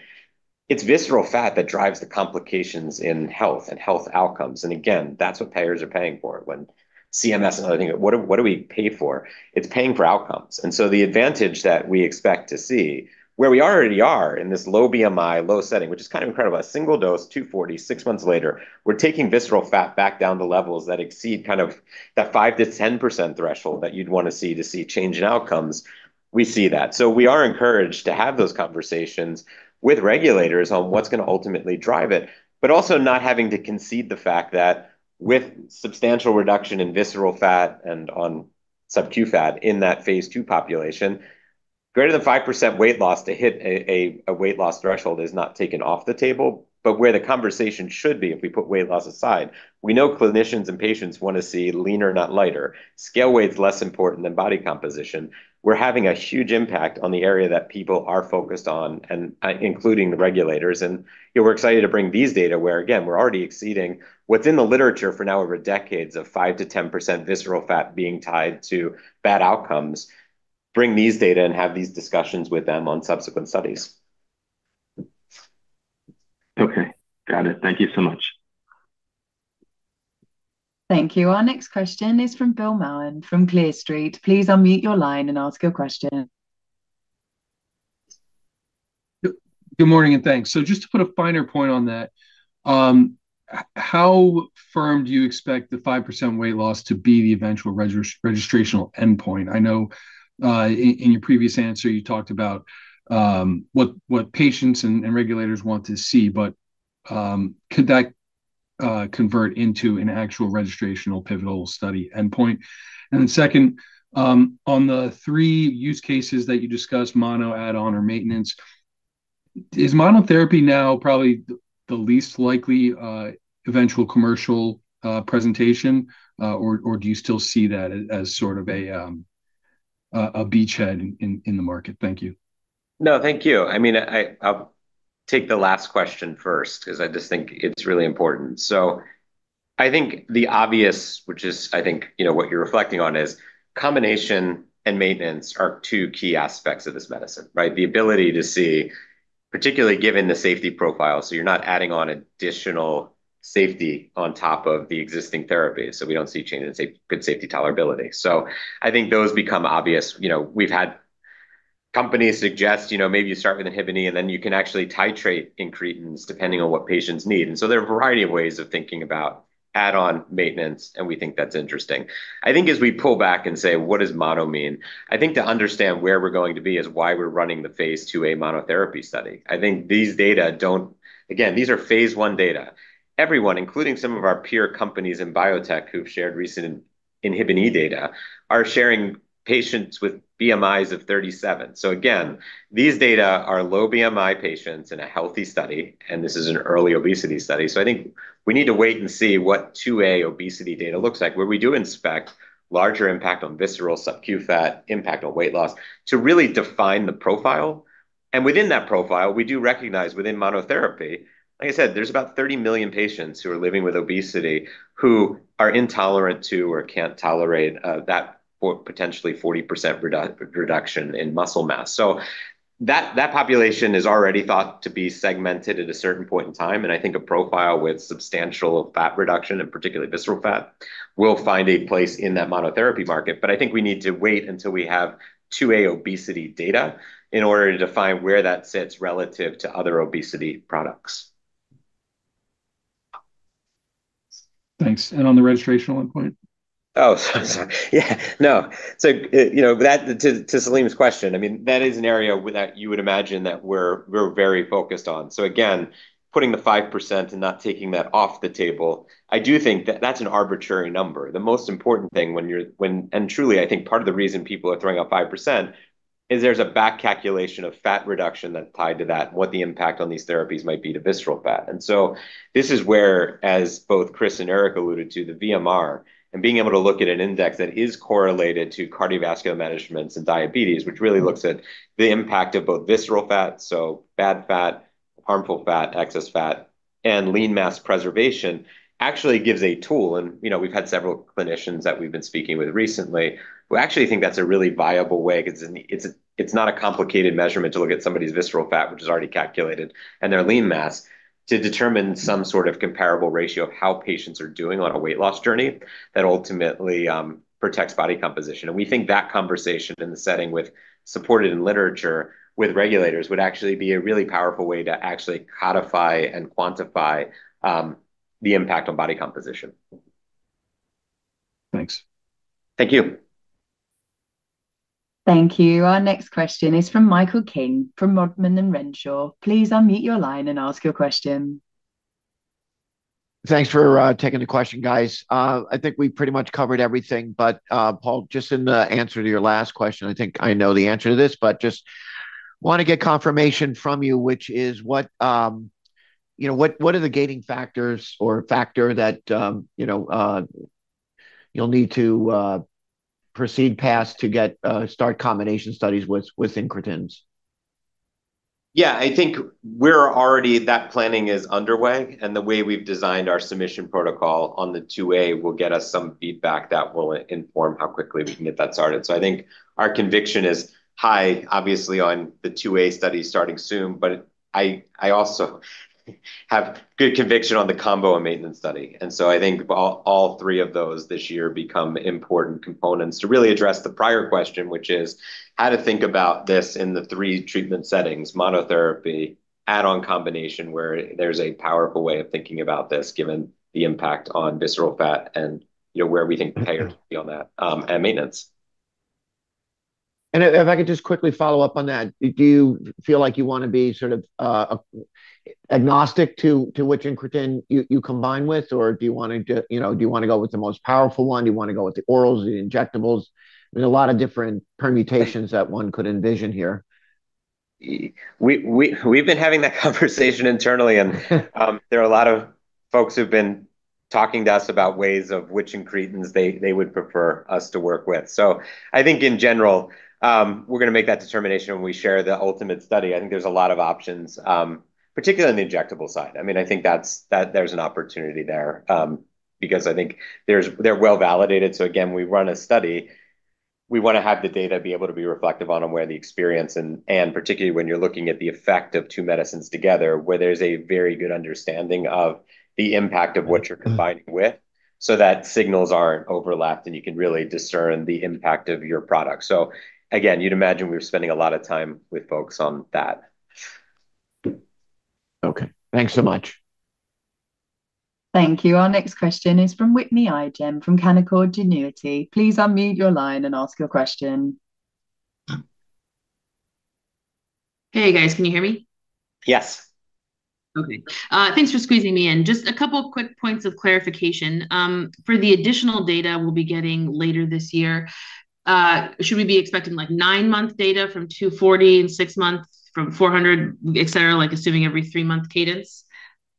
it's visceral fat that drives the complications in health and health outcomes. Again, that's what payers are paying for. When CMS and other things go, "What do we pay for?" It's paying for outcomes. The advantage that we expect to see where we already are in this low BMI, low setting, which is kind of incredible. A single dose, 240, six months later, we're taking visceral fat back down to levels that exceed kind of that 5%-10% threshold that you'd wanna see to see change in outcomes. We see that. We are encouraged to have those conversations with regulators on what's gonna ultimately drive it, but also not having to concede the fact that with substantial reduction in visceral fat and on subcu fat in that phase II population, greater than 5% weight loss to hit a weight loss threshold is not taken off the table. Where the conversation should be, if we put weight loss aside, we know clinicians and patients wanna see leaner, not lighter. Scale weight's less important than body composition. We're having a huge impact on the area that people are focused on and including the regulators. You know, we're excited to bring these data where, again, we're already exceeding what's in the literature for now over decades of 5%-10% visceral fat being tied to bad outcomes, bring these data and have these discussions with them on subsequent studies. Okay. Got it. Thank you so much. Thank you. Our next question is from Bill Maughan from Clear Street. Please unmute your line and ask your question. Good morning, and thanks. Just to put a finer point on that, how firm do you expect the 5% weight loss to be the eventual registrational endpoint? I know, in your previous answer, you talked about what patients and regulators want to see, but could that convert into an actual registrational pivotal study endpoint? Then second, on the three use cases that you discussed, mono, add-on, or maintenance, is monotherapy now probably the least likely eventual commercial presentation, or do you still see that as sort of a beachhead in the market? Thank you. No, thank you. I mean, I'll take the last question first 'cause I just think it's really important. I think the obvious, which is I think, you know, what you're reflecting on, is combination and maintenance are two key aspects of this medicine, right? The ability to see, particularly given the safety profile, so you're not adding on additional safety on top of the existing therapy. We don't see change in good safety tolerability. I think those become obvious. You know, we've had companies suggest, you know, maybe you start with inhibin E, and then you can actually titrate incretins depending on what patients need. There are a variety of ways of thinking about add-on maintenance, and we think that's interesting. I think as we pull back and say, what does mono mean, I think to understand where we're going to be is why we're running the phase II/a monotherapy study. I think these data don't. Again, these are phase I data. Everyone, including some of our peer companies in biotech who've shared recent INHBE data, are sharing patients with BMIs of 37. Again, these data are low BMI patients in a healthy study, and this is an early obesity study. I think we need to wait and see what II/a obesity data looks like, where we do inspect larger impact on visceral subQ fat, impact on weight loss, to really define the profile. Within that profile, we do recognize within monotherapy, like I said, there's about 30 million patients who are living with obesity who are intolerant to or can't tolerate, that or potentially 40% reduction in muscle mass. That population is already thought to be segmented at a certain point in time, and I think a profile with substantial fat reduction, and particularly visceral fat, will find a place in that monotherapy market. I think we need to wait until we have II/a obesity data in order to define where that sits relative to other obesity products. Thanks. On the registrational endpoint? Sorry. Yeah, no. To Salim's question, I mean, that is an area that you would imagine that we're very focused on. Again, putting the 5% and not taking that off the table, I do think that that's an arbitrary number. The most important thing when you're and truly, I think part of the reason people are throwing out 5% is there's a back calculation of fat reduction that's tied to that, what the impact on these therapies might be to visceral fat. This is where, as both Chris and Erik alluded to, the VMR, and being able to look at an index that is correlated to cardiovascular management and diabetes, which really looks at the impact of both visceral fat, so bad fat, harmful fat, excess fat, and lean mass preservation, actually gives a tool. You know, we've had several clinicians that we've been speaking with recently who actually think that's a really viable way 'cause it's not a complicated measurement to look at somebody's visceral fat, which is already calculated, and their lean mass to determine some sort of comparable ratio of how patients are doing on a weight loss journey that ultimately protects body composition. We think that conversation in the setting with supported in literature with regulators would actually be a really powerful way to actually codify and quantify the impact on body composition. Thanks. Thank you. Thank you. Our next question is from Michael King from Rodman & Renshaw. Please unmute your line and ask your question. Thanks for taking the question, guys. I think we pretty much covered everything, but Paul, just in the answer to your last question, I think I know the answer to this, but just wanna get confirmation from you, which is what, you know, what are the gating factors or factor that, you know, you'll need to proceed past to get start combination studies with incretins? Yeah. I think that planning is underway, and the way we've designed our submission protocol on the II/a will get us some feedback that will inform how quickly we can get that started. I think our conviction is high, obviously, on the II/a study starting soon, but I also have good conviction on the combo and maintenance study. I think all three of those this year become important components to really address the prior question, which is how to think about this in the three treatment settings, monotherapy, add-on combination, where there's a powerful way of thinking about this given the impact on visceral fat and, you know, where we think the payer will be on that, and maintenance. If I could just quickly follow up on that, do you feel like you wanna be sort of agnostic to which incretin you combine with, or do you wanna you know, do you wanna go with the most powerful one? Do you wanna go with the orals, the injectables? There's a lot of different permutations that one could envision here. We've been having that conversation internally, and there are a lot of folks who've been talking to us about ways in which incretins they would prefer us to work with. I think in general, we're gonna make that determination when we share the ultimate study. I think there's a lot of options, particularly on the injectable side. I mean, I think that's an opportunity there, because I think they're well-validated. Again, we run a study, we wanna have the data be able to be reflective on them where the experience and particularly when you're looking at the effect of two medicines together, where there's a very good understanding of the impact of what you're combining with, so that signals aren't overlapped and you can really discern the impact of your product. Again, you'd imagine we're spending a lot of time with folks on that. Okay. Thanks so much. Thank you. Our next question is from Whitney Ijem from Canaccord Genuity. Please unmute your line and ask your question. Hey, guys. Can you hear me? Yes. Okay. Thanks for squeezing me in. Just a couple of quick points of clarification. For the additional data we'll be getting later this year, should we be expecting, like, nine-month data from 240 and six months from 400, et cetera, like assuming every three-month cadence?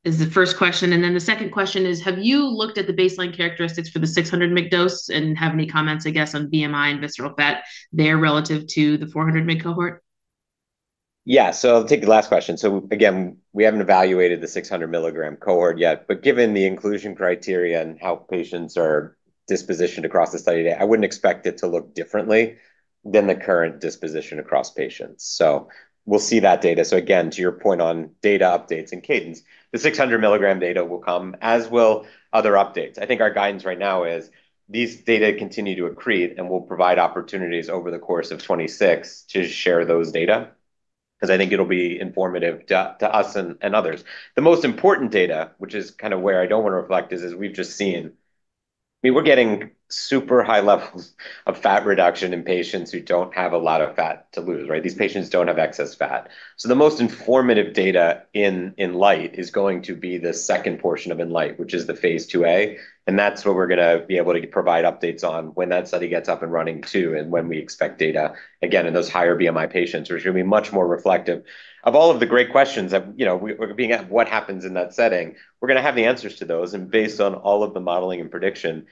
Is the first question. The second question is, have you looked at the baseline characteristics for the 600 mg dose and have any comments, I guess, on BMI and visceral fat there relative to the 400 mg cohort? Yeah. I'll take the last question. Again, we haven't evaluated the 600 milligram cohort yet, but given the inclusion criteria and how patients are dispositioned across the study data, I wouldn't expect it to look differently than the current disposition across patients. We'll see that data. Again, to your point on data updates and cadence, the 600 mg data will come as will other updates. I think our guidance right now is these data continue to accrete, and we'll provide opportunities over the course of 2026 to share those data because I think it'll be informative to us and others. The most important data, which is kind of where I don't want to reflect, is as we've just seen. I mean, we're getting super high levels of fat reduction in patients who don't have a lot of fat to lose, right? These patients don't have excess fat. The most informative data in INLIGHT is going to be the second portion of INLIGHT, which is phase II/a, and that's where we're gonna be able to provide updates on when that study gets up and running too, and when we expect data. Again, in those higher BMI patients, which are going to be much more reflective of all of the great questions of, you know, what happens in that setting, we're going to have the answers to those. Based on all of the modeling and prediction,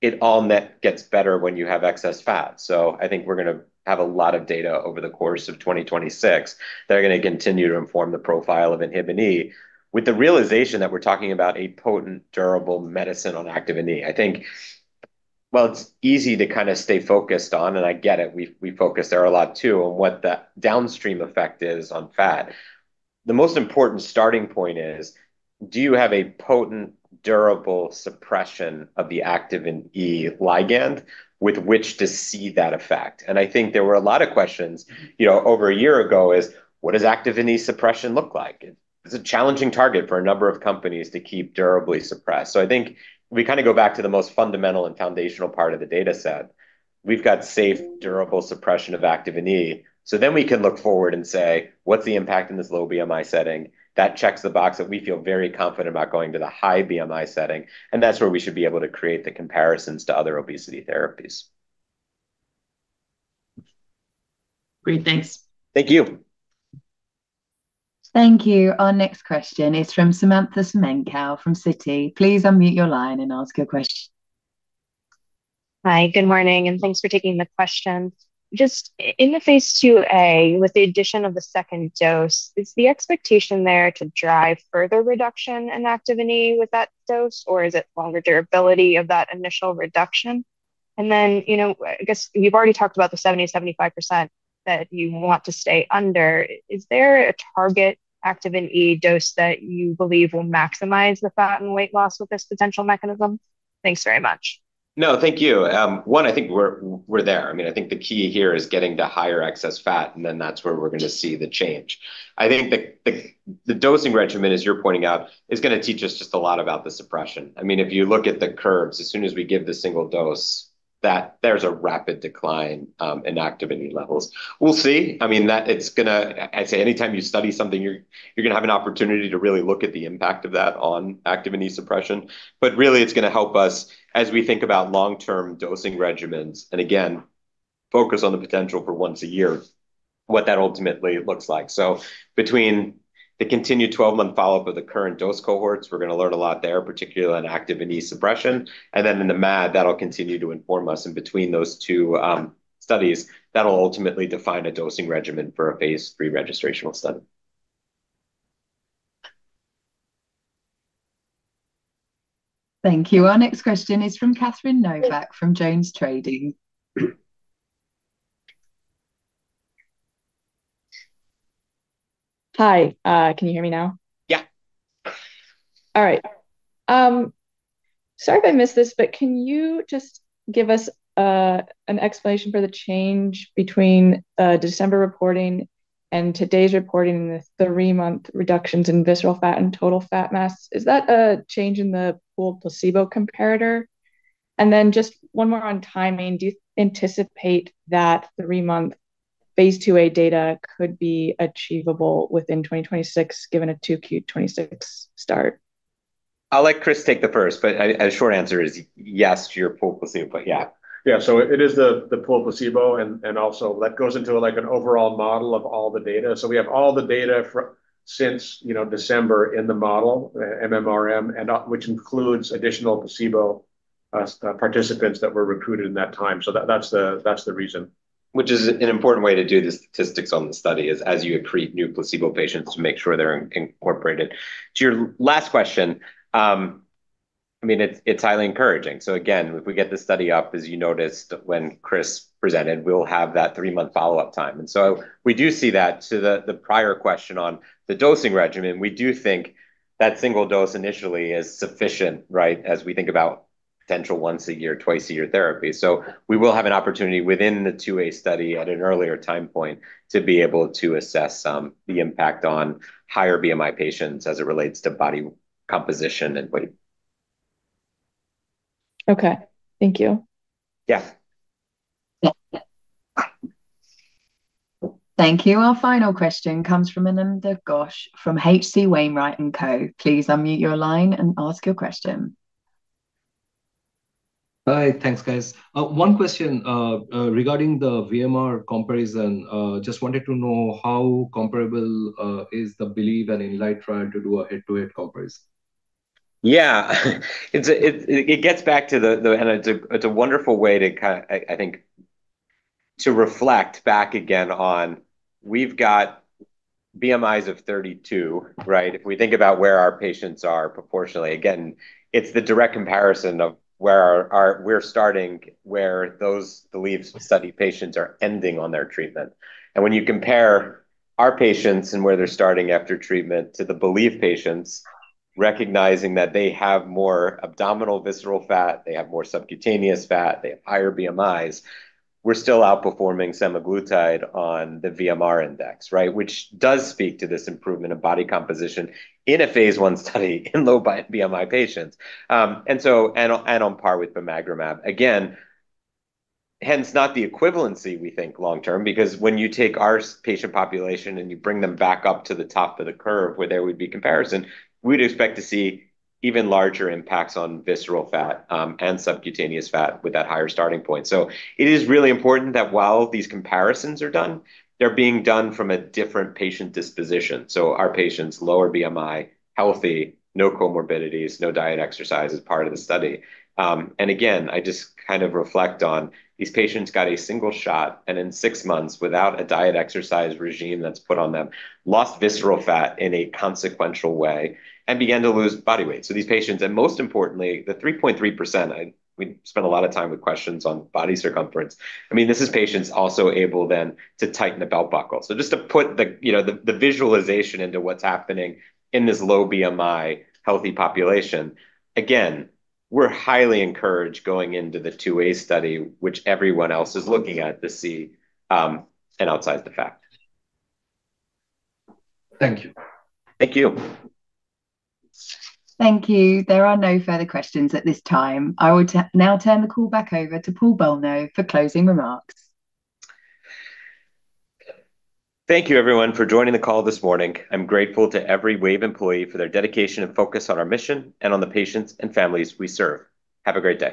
it all net gets better when you have excess fat. I think we're gonna have a lot of data over the course of 2026. They're gonna continue to inform the profile of inhibin E with the realization that we're talking about a potent, durable medicine on Activin E. I think well, it's easy to kind of stay focused on, and I get it, we focus there a lot too, on what that downstream effect is on fat. The most important starting point is, do you have a potent, durable suppression of the Activin E ligand with which to see that effect? I think there were a lot of questions, you know, over a year ago, is what does Activin E suppression look like? It's a challenging target for a number of companies to keep durably suppressed. I think we kind of go back to the most fundamental and foundational part of the data set. We've got safe, durable suppression of Activin E. We can look forward and say, what's the impact in this low BMI setting? That checks the box that we feel very confident about going to the high BMI setting, and that's where we should be able to create the comparisons to other obesity therapies. Great. Thanks. Thank you. Thank you. Our next question is from Samantha Semenkow from Citi. Please unmute your line and ask your question. Hi. Good morning, and thanks for taking the question. Just in the phase II/a, with the addition of the second dose, is the expectation there to drive further reduction in Activin E with that dose, or is it longer durability of that initial reduction? You know, I guess you've already talked about the 70%, 75% that you want to stay under. Is there a target Activin E dose that you believe will maximize the fat and weight loss with this potential mechanism? Thanks very much. No, thank you. One, I think we're there. I mean, I think the key here is getting to higher excess fat, and then that's where we're gonna see the change. I think the dosing regimen, as you're pointing out, is gonna teach us just a lot about the suppression. I mean, if you look at the curves, as soon as we give the single dose, that there's a rapid decline in Activin E levels. We'll see. I mean, that it's gonna. I'd say anytime you study something, you're gonna have an opportunity to really look at the impact of that on Activin E suppression. But really, it's gonna help us as we think about long-term dosing regimens, and again, focus on the potential for once a year, what that ultimately looks like. Between the continued 12-month follow-up with the current dose cohorts, we're gonna learn a lot there, particularly in Activin E suppression. Then in the MAD, that'll continue to inform us. Between those two studies, that'll ultimately define a dosing regimen for a phase III registrational study. Thank you. Our next question is from Srikripa Devarakonda from JonesTrading. Hi. Can you hear me now? Yeah. All right. Sorry if I missed this, but can you just give us an explanation for the change between December reporting and today's reporting, the three-month reductions in visceral fat and total fat mass? Is that a change in the full placebo comparator? Just one more on timing. Do you anticipate that three-month phase II/a data could be achievable within 2026, given a 2Q 2026 start? I'll let Chris take the first, but a short answer is yes to your pooled placebo. Yeah. Yeah. It is the pooled placebo and also that goes into, like, an overall model of all the data. We have all the data from December in the model, MMRM, and also which includes additional placebo participants that were recruited in that time. That's the reason. Which is an important way to do the statistics on the study is as you accrete new placebo patients to make sure they're incorporated. To your last question, I mean, it's highly encouraging. If we get this study up, as you noticed when Chris presented, we'll have that three-month follow-up time. We do see that to the prior question on the dosing regimen. We do think that single dose initially is sufficient, right, as we think about potential once a year, twice a year therapy. We will have an opportunity within the II/a study at an earlier time point to be able to assess the impact on higher BMI patients as it relates to body composition and weight. Okay. Thank you. Yeah. Thank you. Our final question comes from Ananda Ghosh from H.C. Wainwright & Co. Please unmute your line and ask your question. Hi. Thanks, guys. One question regarding the VMR comparison, just wanted to know how comparable is the BELIEVE and INLIGHT trial to do a head-to-head comparison? Yeah. It gets back to the. It's a wonderful way. I think to reflect back again on we've got BMIs of 32, right? If we think about where our patients are proportionally. It's the direct comparison of where we're starting where those BELIEVE study patients are ending on their treatment. When you compare our patients and where they're starting after treatment to the BELIEVE patients, recognizing that they have more abdominal visceral fat, they have more subcutaneous fat, they have higher BMIs, we're still outperforming semaglutide on the VMR index, right? Which does speak to this improvement of body composition in a phase I study in low BMI patients, on par with bimagrumab. Hence not the equivalency we think long term because when you take our patient population and you bring them back up to the top of the curve where there would be comparison, we'd expect to see even larger impacts on visceral fat, and subcutaneous fat with that higher starting point. It is really important that while these comparisons are done, they're being done from a different patient disposition. Our patients, lower BMI, healthy, no comorbidities, no diet exercise as part of the study. Again, I just kind of reflect on these patients got a single shot, and in six months, without a diet exercise regime that's put on them, lost visceral fat in a consequential way and began to lose body weight. These patients and most importantly, the 3.3%, we spent a lot of time with questions on body circumference. I mean, this is patients also able then to tighten a belt buckle. Just to put the, you know, the visualization into what's happening in this low BMI healthy population, again, we're highly encouraged going into the two-way study, which everyone else is looking at to see, and outside the fact. Thank you. Thank you. Thank you. There are no further questions at this time. I will now turn the call back over to Paul Bolno for closing remarks. Thank you everyone for joining the call this morning. I'm grateful to every Wave employee for their dedication and focus on our mission and on the patients and families we serve. Have a great day.